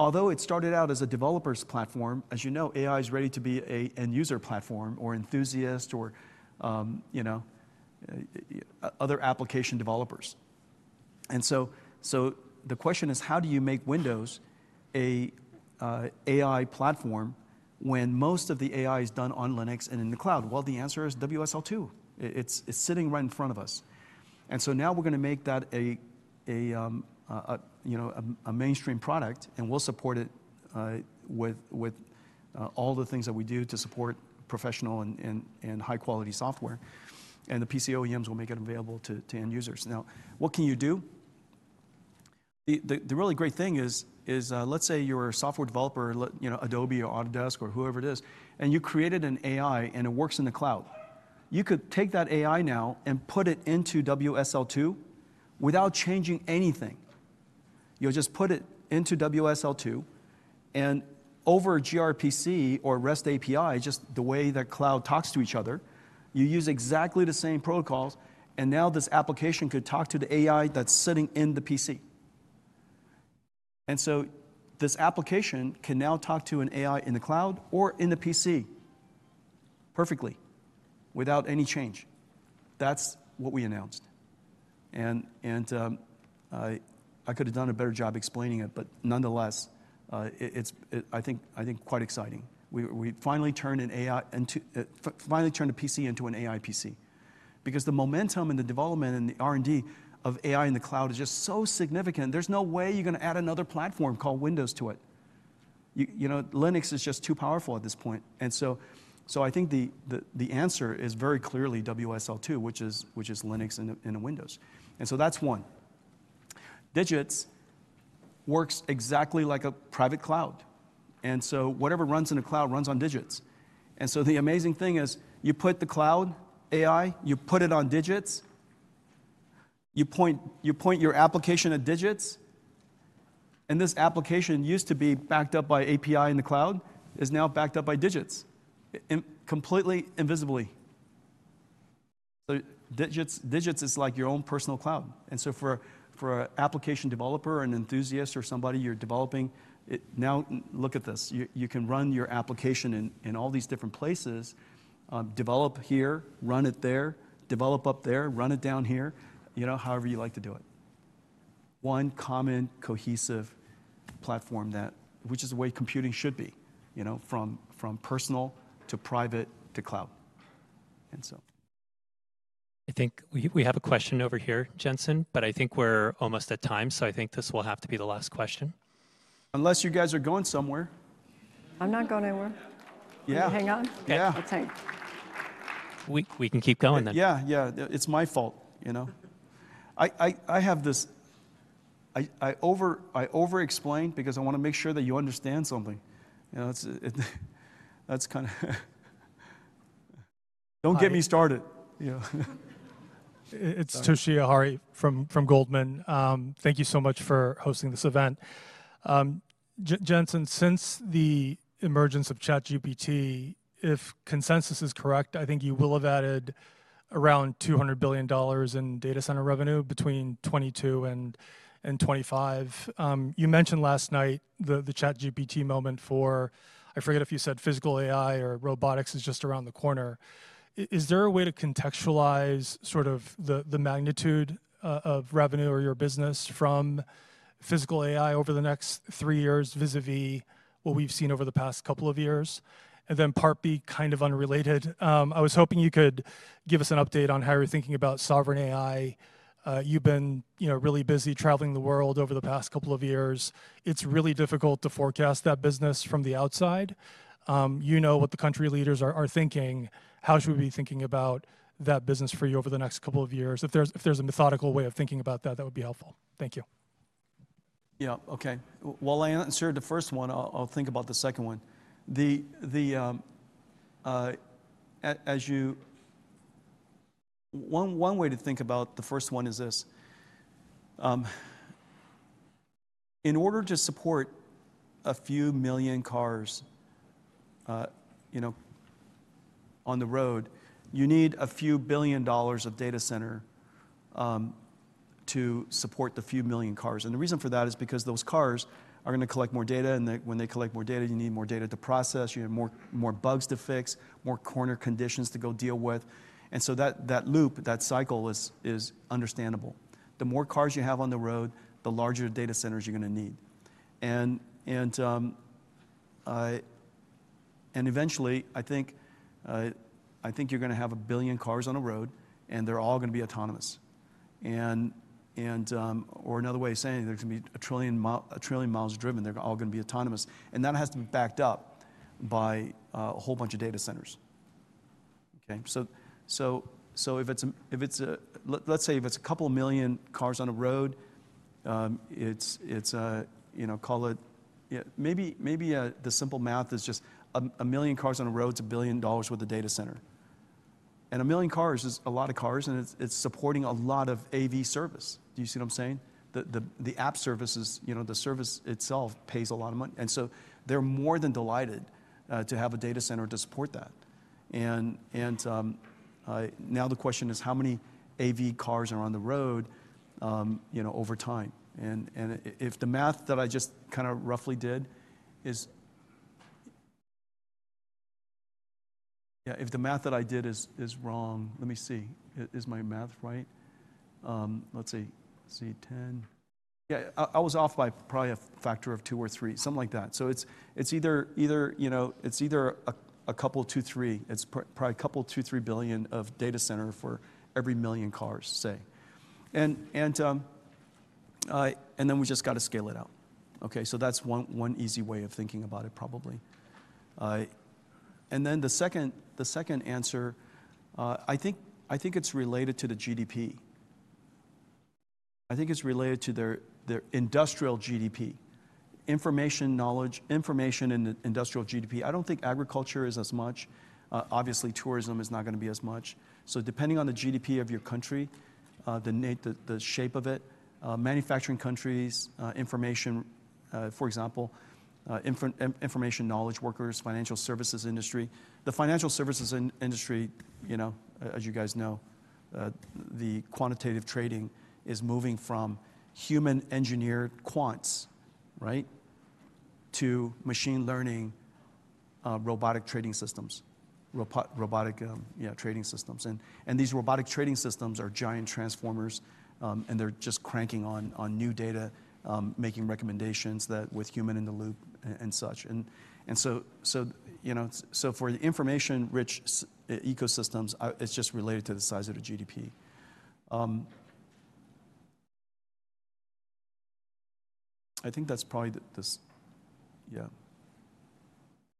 although it started out as a developers' platform, as you know, AI is ready to be an end-user platform or enthusiast or other application developers. And so the question is, how do you make Windows an AI platform when most of the AI is done on Linux and in the cloud? Well, the answer is WSL2. It's sitting right in front of us. And so now we're going to make that a mainstream product, and we'll support it with all the things that we do to support professional and high-quality software. And the PC OEMs will make it available to end users. Now, what can you do? The really great thing is let's say you're a software developer, Adobe or Autodesk or whoever it is, and you created an AI, and it works in the cloud. You could take that AI now and put it into WSL2 without changing anything. You'll just put it into WSL2, and over a gRPC or REST API, just the way that cloud talks to each other, you use exactly the same protocols. And now this application could talk to the AI that's sitting in the PC. And so this application can now talk to an AI in the cloud or in the PC perfectly without any change. That's what we announced. And I could have done a better job explaining it, but nonetheless, it's, I think, quite exciting. We finally turned a PC into an AI PC because the momentum and the development and the R&D of AI in the cloud is just so significant. There's no way you're going to add another platform called Windows to it. Linux is just too powerful at this point. I think the answer is very clearly WSL2, which is Linux and Windows. That's one. Digits works exactly like a private cloud. Whatever runs in the cloud runs on Digits. The amazing thing is you put the cloud AI, you put it on Digits, you point your application at Digits, and this application used to be backed up by API in the cloud is now backed up by Digits completely invisibly. Digits is like your own personal cloud. For an application developer and enthusiast or somebody you're developing, now look at this. You can run your application in all these different places, develop here, run it there, develop up there, run it down here, however you like to do it. One common cohesive platform, which is the way computing should be, from personal to private to cloud. I think we have a question over here, Jensen, but I think we're almost at time. So I think this will have to be the last question. Unless you guys are going somewhere. I'm not going anywhere. Yeah. Hang on. Yeah. We can keep going then. Yeah, yeah. It's my fault. I over-explain because I want to make sure that you understand something. That's kind of. Don't get me started. It's Toshiya Hari from Goldman. Thank you so much for hosting this event. Jensen, since the emergence of ChatGPT, if consensus is correct, I think you will have added around $200 billion in data center revenue between 2022 and 2025. You mentioned last night the ChatGPT moment for, I forget if you said physical AI or robotics is just around the corner. Is there a way to contextualize sort of the magnitude of revenue or your business from physical AI over the next three years vis-à-vis what we've seen over the past couple of years? And then part B, kind of unrelated. I was hoping you could give us an update on how you're thinking about sovereign AI. You've been really busy traveling the world over the past couple of years. It's really difficult to forecast that business from the outside. You know what the country leaders are thinking. How should we be thinking about that business for you over the next couple of years? If there's a methodical way of thinking about that, that would be helpful. Thank you. Yeah. Okay. While I answer the first one, I'll think about the second one. As one way to think about the first one is this: in order to support a few million cars on the road, you need a few billion dollars of data center to support the few million cars. And the reason for that is because those cars are going to collect more data. And when they collect more data, you need more data to process. You have more bugs to fix, more corner conditions to go deal with. And so that loop, that cycle is understandable. The more cars you have on the road, the larger data centers you're going to need. And eventually, I think you're going to have a billion cars on the road, and they're all going to be autonomous. Or another way of saying it, there's going to be a trillion miles driven. They're all going to be autonomous. And that has to be backed up by a whole bunch of data centers. Okay? So if it's a, let's say, if it's a couple million cars on a road, it's, call it, maybe the simple math is just a million cars on a road's $1 billion worth of data center. And a million cars is a lot of cars, and it's supporting a lot of AV service. Do you see what I'm saying? The app services, the service itself pays a lot of money. And so they're more than delighted to have a data center to support that. And now the question is, how many AV cars are on the road over time? If the math that I just kind of roughly did is yeah, if the math that I did is wrong, let me see. Is my math right? Let's see. 10. Yeah. I was off by probably a factor of two or three, something like that. So it's either a couple, two, three. It's probably $2-3 billion of data center for every million cars, say. Then we just got to scale it out. Okay? So that's one easy way of thinking about it, probably. Then the second answer, I think it's related to the GDP. I think it's related to their industrial GDP. Information, knowledge, information in the industrial GDP. I don't think agriculture is as much. Obviously, tourism is not going to be as much. So, depending on the GDP of your country, the shape of it, manufacturing countries, information—for example, information knowledge workers, financial services industry. The financial services industry, as you guys know, the quantitative trading is moving from human-engineered quants, right, to machine learning robotic trading systems. And these robotic trading systems are giant transformers, and they're just cranking on new data, making recommendations with human-in-the-loop and such. And so for the information-rich ecosystems, it's just related to the size of the GDP. I think that's probably this.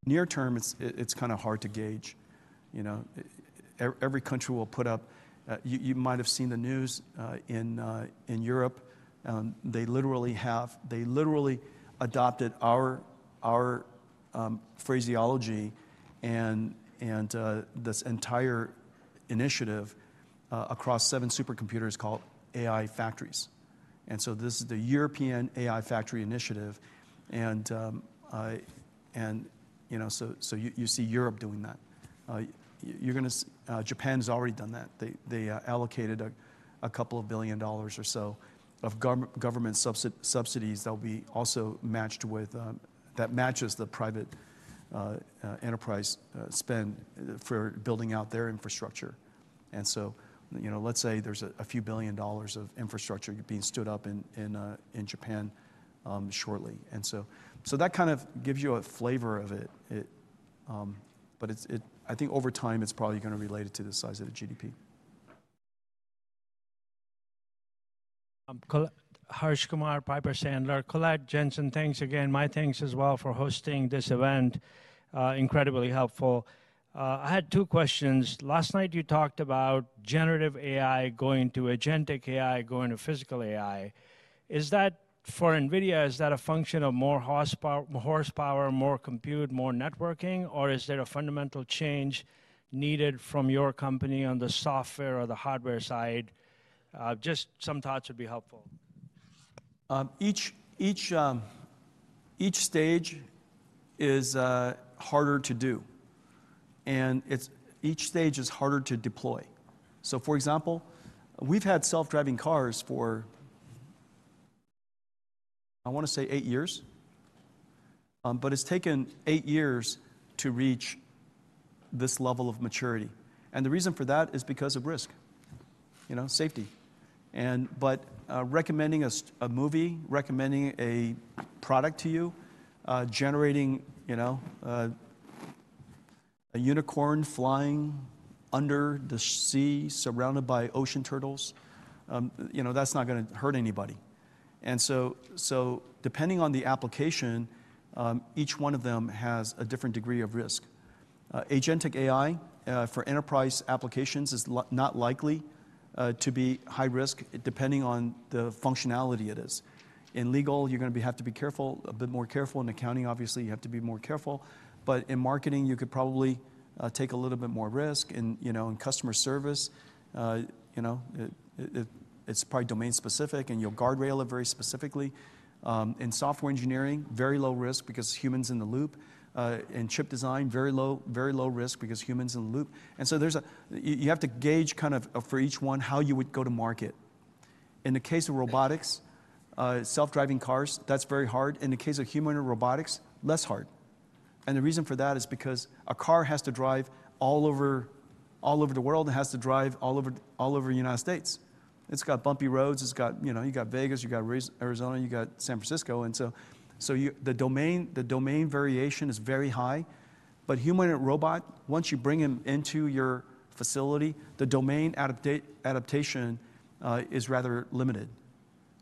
Near term, it's kind of hard to gauge. Every country will put up. You might have seen the news in Europe. They literally adopted our phraseology and this entire initiative across seven supercomputers called AI factories. And so this is the European AI Factories initiative. And so you see Europe doing that. Japan has already done that. They allocated a couple of billion dollars or so of government subsidies that will be also matched with the private enterprise spend for building out their infrastructure. So let's say there's a few billion dollars of infrastructure being stood up in Japan shortly. So that kind of gives you a flavor of it. But I think over time, it's probably going to be related to the size of the GDP. I'm Harsh Kumar, Piper Sandler. Colette Kress, thanks again. My thanks as well for hosting this event. Incredibly helpful. I had two questions. Last night, you talked about generative AI going to agentic AI going to physical AI. Is that for NVIDIA? Is that a function of more horsepower, more compute, more networking? Or is there a fundamental change needed from your company on the software or the hardware side? Just some thoughts would be helpful. Each stage is harder to do, and each stage is harder to deploy, so for example, we've had self-driving cars for, I want to say, eight years, but it's taken eight years to reach this level of maturity, and the reason for that is because of risk, safety, but recommending a movie, recommending a product to you, generating a unicorn flying under the sea surrounded by ocean turtles, that's not going to hurt anybody, and so depending on the application, each one of them has a different degree of risk. Agentic AI for enterprise applications is not likely to be high risk depending on the functionality it is. In legal, you're going to have to be careful, a bit more careful. In accounting, obviously, you have to be more careful, but in marketing, you could probably take a little bit more risk. In customer service, it's probably domain specific, and you'll guardrail it very specifically. In software engineering, very low risk because humans in the loop. In chip design, very low risk because humans in the loop. And so you have to gauge kind of for each one how you would go to market. In the case of robotics, self-driving cars, that's very hard. In the case of human robotics, less hard. And the reason for that is because a car has to drive all over the world and has to drive all over the United States. It's got bumpy roads. You've got Vegas. You've got Arizona. You've got San Francisco. And so the domain variation is very high. But human and robot, once you bring them into your facility, the domain adaptation is rather limited,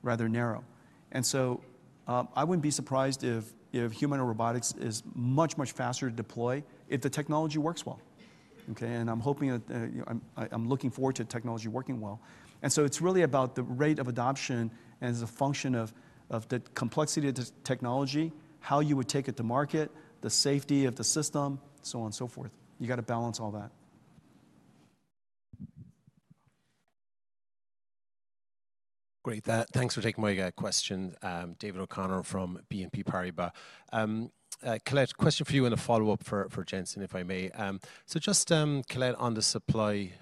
rather narrow. And so I wouldn't be surprised if humanoid robotics is much, much faster to deploy if the technology works well. Okay? And I'm hoping that I'm looking forward to technology working well. And so it's really about the rate of adoption as a function of the complexity of the technology, how you would take it to market, the safety of the system, so on and so forth. You got to balance all that. Great. Thanks for taking my question, David O'Connor from BNP Paribas. Colette, question for you and a follow-up for Jensen, if I may. Just Colette, on the supply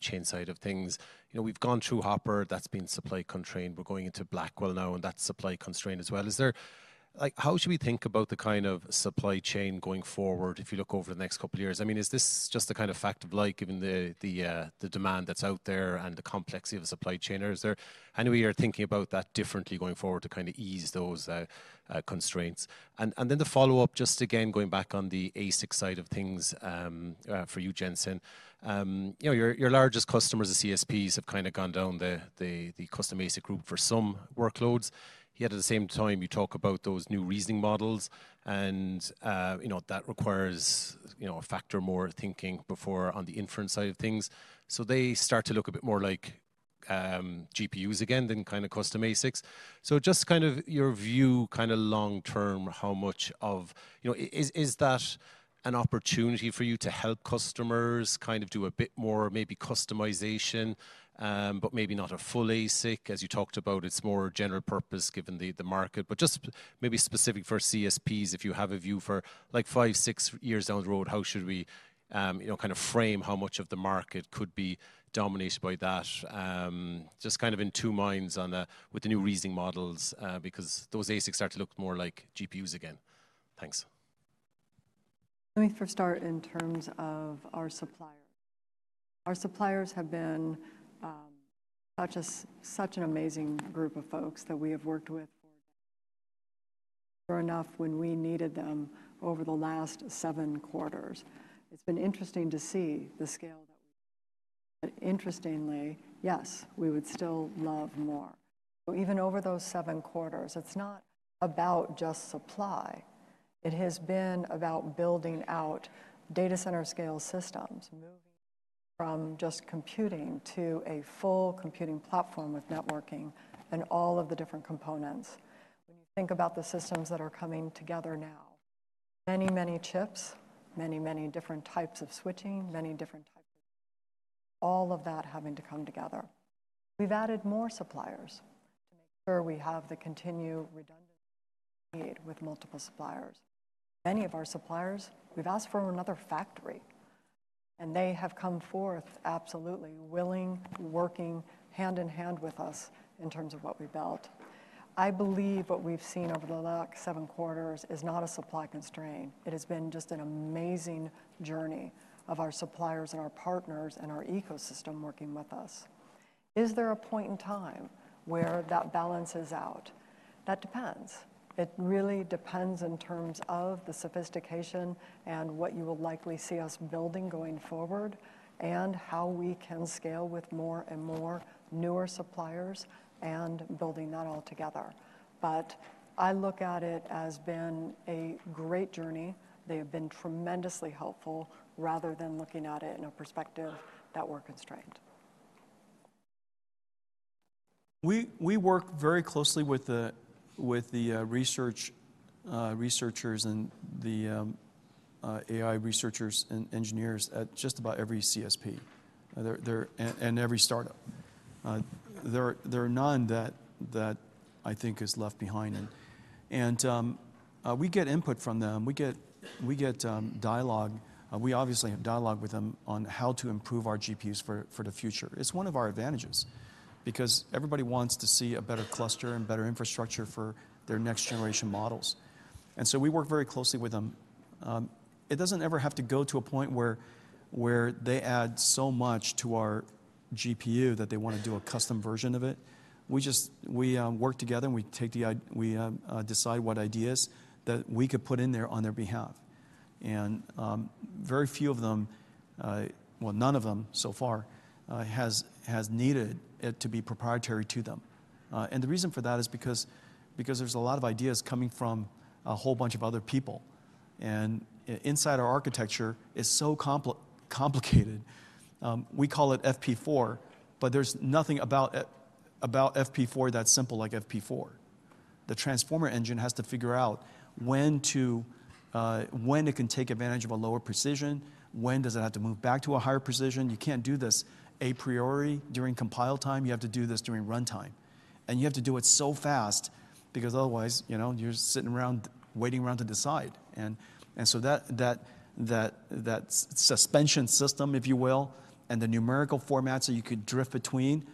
chain side of things, we've gone through Hopper. That's been supply constrained. We're going into Blackwell now, and that's supply constrained as well. How should we think about the kind of supply chain going forward if you look over the next couple of years? I mean, is this just a kind of fact of life, given the demand that's out there and the complexity of the supply chain? Or is there any way you're thinking about that differently going forward to kind of ease those constraints? And then the follow-up, just again, going back on the ASIC side of things for you, Jensen. Your largest customers, the CSPs, have kind of gone down the custom ASIC route for some workloads. Yet, at the same time, you talk about those new reasoning models, and that requires a factor more thinking before on the inference side of things. So they start to look a bit more like GPUs again than kind of custom ASICs. So just kind of your view kind of long term, how much of is that an opportunity for you to help customers kind of do a bit more maybe customization, but maybe not a full ASIC, as you talked about? It's more general purpose given the market. But just maybe specific for CSPs, if you have a view for like five, six years down the road, how should we kind of frame how much of the market could be dominated by that? Just kind of in two minds with the new reasoning models because those ASICs start to look more like GPUs again. Thanks. Let me first start in terms of our suppliers. Our suppliers have been such an amazing group of folks that we have worked with for years when we needed them over the last seven quarters. It's been interesting to see the scale that we've seen, but interestingly, yes, we would still love more, so even over those seven quarters, it's not about just supply. It has been about building out data center-scale systems, moving from just computing to a full computing platform with networking and all of the different components. When you think about the systems that are coming together now, many, many chips, many, many different types of switching, many different types of all of that having to come together. We've added more suppliers to make sure we have the continued redundancy need with multiple suppliers. Many of our suppliers, we've asked for another factory. They have come forth absolutely willing, working hand in hand with us in terms of what we built. I believe what we've seen over the last seven quarters is not a supply constraint. It has been just an amazing journey of our suppliers and our partners and our ecosystem working with us. Is there a point in time where that balance is out? That depends. It really depends in terms of the sophistication and what you will likely see us building going forward and how we can scale with more and more newer suppliers and building that all together. But I look at it as being a great journey. They have been tremendously helpful rather than looking at it in a perspective that we're constrained. We work very closely with the researchers and the AI researchers and engineers at just about every CSP and every startup. There are none that I think is left behind, and we get input from them. We get dialogue. We obviously have dialogue with them on how to improve our GPUs for the future. It's one of our advantages because everybody wants to see a better cluster and better infrastructure for their next generation models, and so we work very closely with them. It doesn't ever have to go to a point where they add so much to our GPU that they want to do a custom version of it. We just work together, and we decide what ideas that we could put in there on their behalf, and very few of them, well, none of them so far has needed it to be proprietary to them. And the reason for that is because there's a lot of ideas coming from a whole bunch of other people. And inside our architecture, it's so complicated. We call it FP4, but there's nothing about FP4 that simple like FP4. The Transformer Engine has to figure out when it can take advantage of a lower precision. When does it have to move back to a higher precision? You can't do this a priori during compile time. You have to do this during runtime. And you have to do it so fast because otherwise, you're sitting around waiting around to decide. And so that suspension system, if you will, and the numerical formats that you could drift between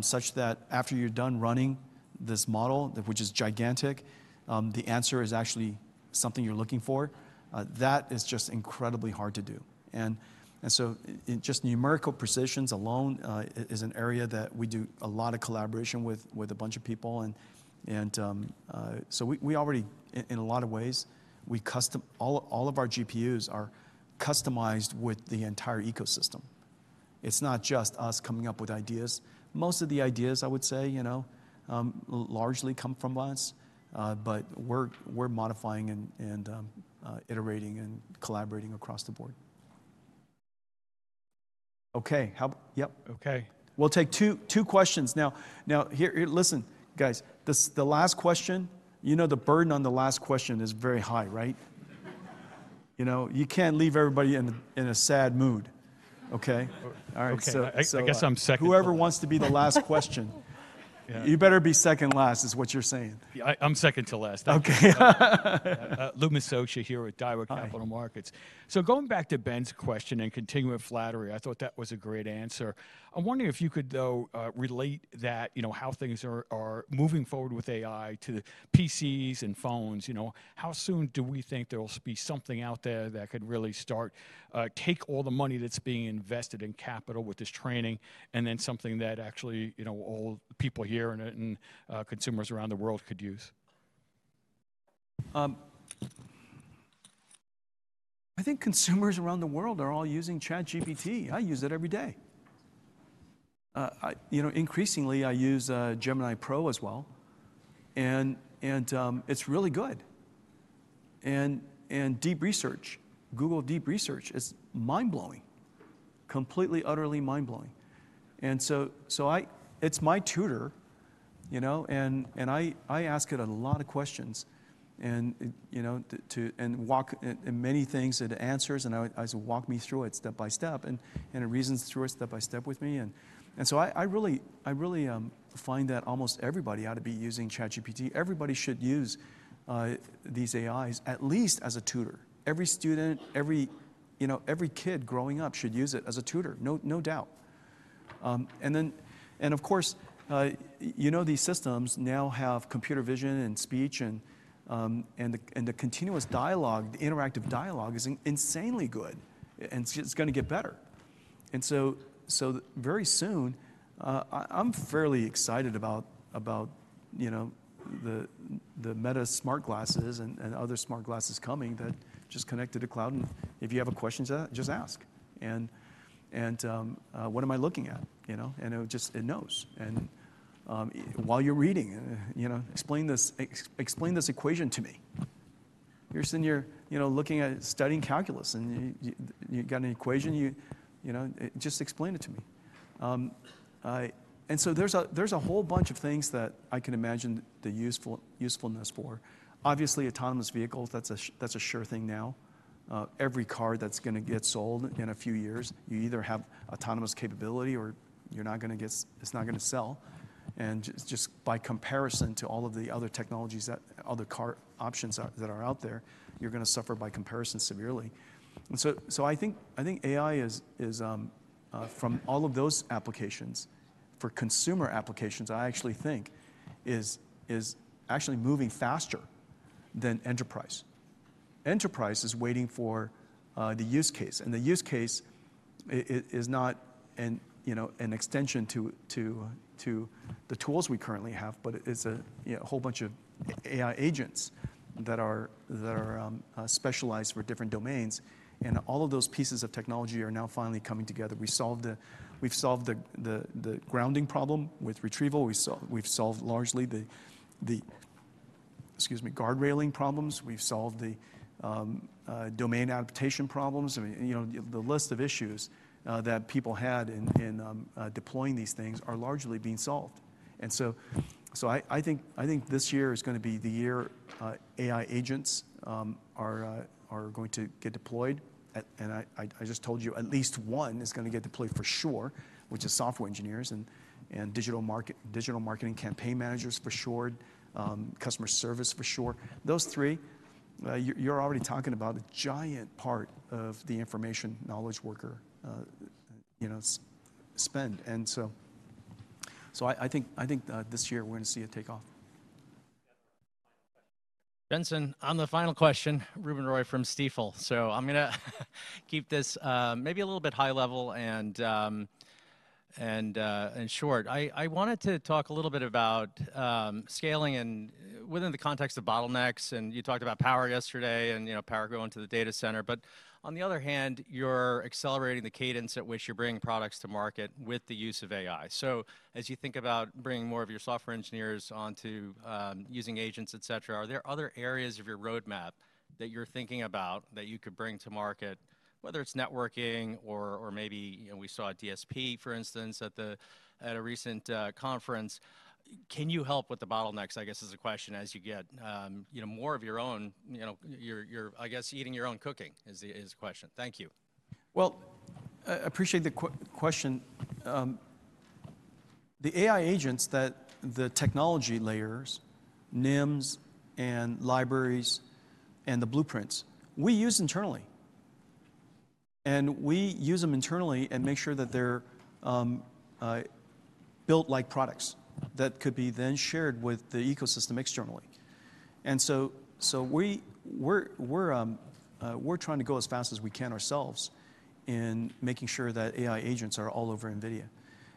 such that after you're done running this model, which is gigantic, the answer is actually something you're looking for, that is just incredibly hard to do. Just numerical precisions alone is an area that we do a lot of collaboration with a bunch of people. And so we already, in a lot of ways, all of our GPUs are customized with the entire ecosystem. It's not just us coming up with ideas. Most of the ideas, I would say, largely come from us. But we're modifying and iterating and collaborating across the board. Okay. Yep. Okay. We'll take two questions now. Now, listen, guys, the last question, you know the burden on the last question is very high, right? You can't leave everybody in a sad mood, okay? Okay. I guess I'm second. Whoever wants to be the last question? You better be second last is what you're saying. I'm second to last. Okay. Louis Miscioscia here at Daiwa Capital Markets. So going back to Ben's question and continuing with Blackwell, I thought that was a great answer. I'm wondering if you could, though, relate that, how things are moving forward with AI to PCs and phones. How soon do we think there will be something out there that could really start, take all the money that's being invested in capital with this training, and then something that actually all people here and consumers around the world could use? I think consumers around the world are all using ChatGPT. I use it every day. Increasingly, I use Gemini Pro as well. It's really good. Deep research, Google Deep Research, is mind-blowing, completely utterly mind-blowing. So it's my tutor. I ask it a lot of questions and walk me through many things and it answers. I said, walk me through it step by step and reason through it step by step with me. So I really find that almost everybody ought to be using ChatGPT. Everybody should use these AIs at least as a tutor. Every student, every kid growing up should use it as a tutor, no doubt. Then, of course, you know these systems now have computer vision and speech. The continuous dialogue, the interactive dialogue is insanely good. It's going to get better. And so very soon, I'm fairly excited about the Meta smart glasses and other smart glasses coming that just connected to cloud. And if you have questions, just ask. And what am I looking at? And it knows. And while you're reading, explain this equation to me. You're sitting here looking at studying calculus. And you've got an equation. Just explain it to me. And so there's a whole bunch of things that I can imagine the usefulness for. Obviously, autonomous vehicles, that's a sure thing now. Every car that's going to get sold in a few years, you either have autonomous capability or it's not going to sell. And just by comparison to all of the other technologies, other car options that are out there, you're going to suffer by comparison severely. And so I think AI is, from all of those applications, for consumer applications, I actually think, is actually moving faster than enterprise. Enterprise is waiting for the use case. And the use case is not an extension to the tools we currently have, but it's a whole bunch of AI agents that are specialized for different domains. And all of those pieces of technology are now finally coming together. We've solved the grounding problem with retrieval. We've solved largely the, excuse me, guardrailing problems. We've solved the domain adaptation problems. The list of issues that people had in deploying these things are largely being solved. And so I think this year is going to be the year AI agents are going to get deployed. And I just told you at least one is going to get deployed for sure, which is software engineers and digital marketing campaign managers for sure, customer service for sure. Those three, you're already talking about a giant part of the information knowledge worker spend. And so I think this year we're going to see a takeoff. Jensen, on the final question, Ruben Roy from Stifel. I'm going to keep this maybe a little bit high level and short. I wanted to talk a little bit about scaling and within the context of bottlenecks. You talked about power yesterday and power going to the data center. But on the other hand, you're accelerating the cadence at which you're bringing products to market with the use of AI. As you think about bringing more of your software engineers onto using agents, et cetera, are there other areas of your roadmap that you're thinking about that you could bring to market, whether it's networking or maybe we saw DSP, for instance, at a recent conference? Can you help with the bottlenecks? I guess, is the question as you get more of your own. I guess, eating your own cooking is the question. Thank you. I appreciate the question. The AI agents, the technology layers, NIMs and libraries and the blueprints, we use internally. We use them internally and make sure that they're built like products that could be then shared with the ecosystem externally. We're trying to go as fast as we can ourselves in making sure that AI agents are all over NVIDIA.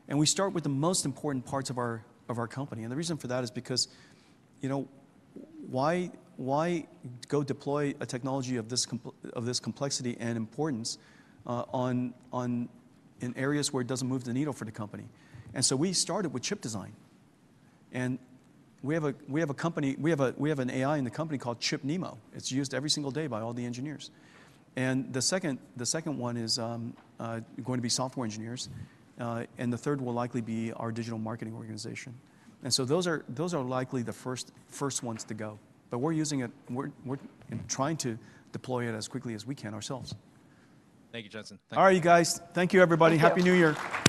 We start with the most important parts of our company. The reason for that is because why go deploy a technology of this complexity and importance in areas where it doesn't move the needle for the company. We started with chip design. We have an AI in the company called ChipNeMo. It's used every single day by all the engineers. The second one is going to be software engineers. The third will likely be our digital marketing organization. Those are likely the first ones to go. We're trying to deploy it as quickly as we can ourselves. Thank you, Jensen. All right, you guys. Thank you, everybody. Happy New Year.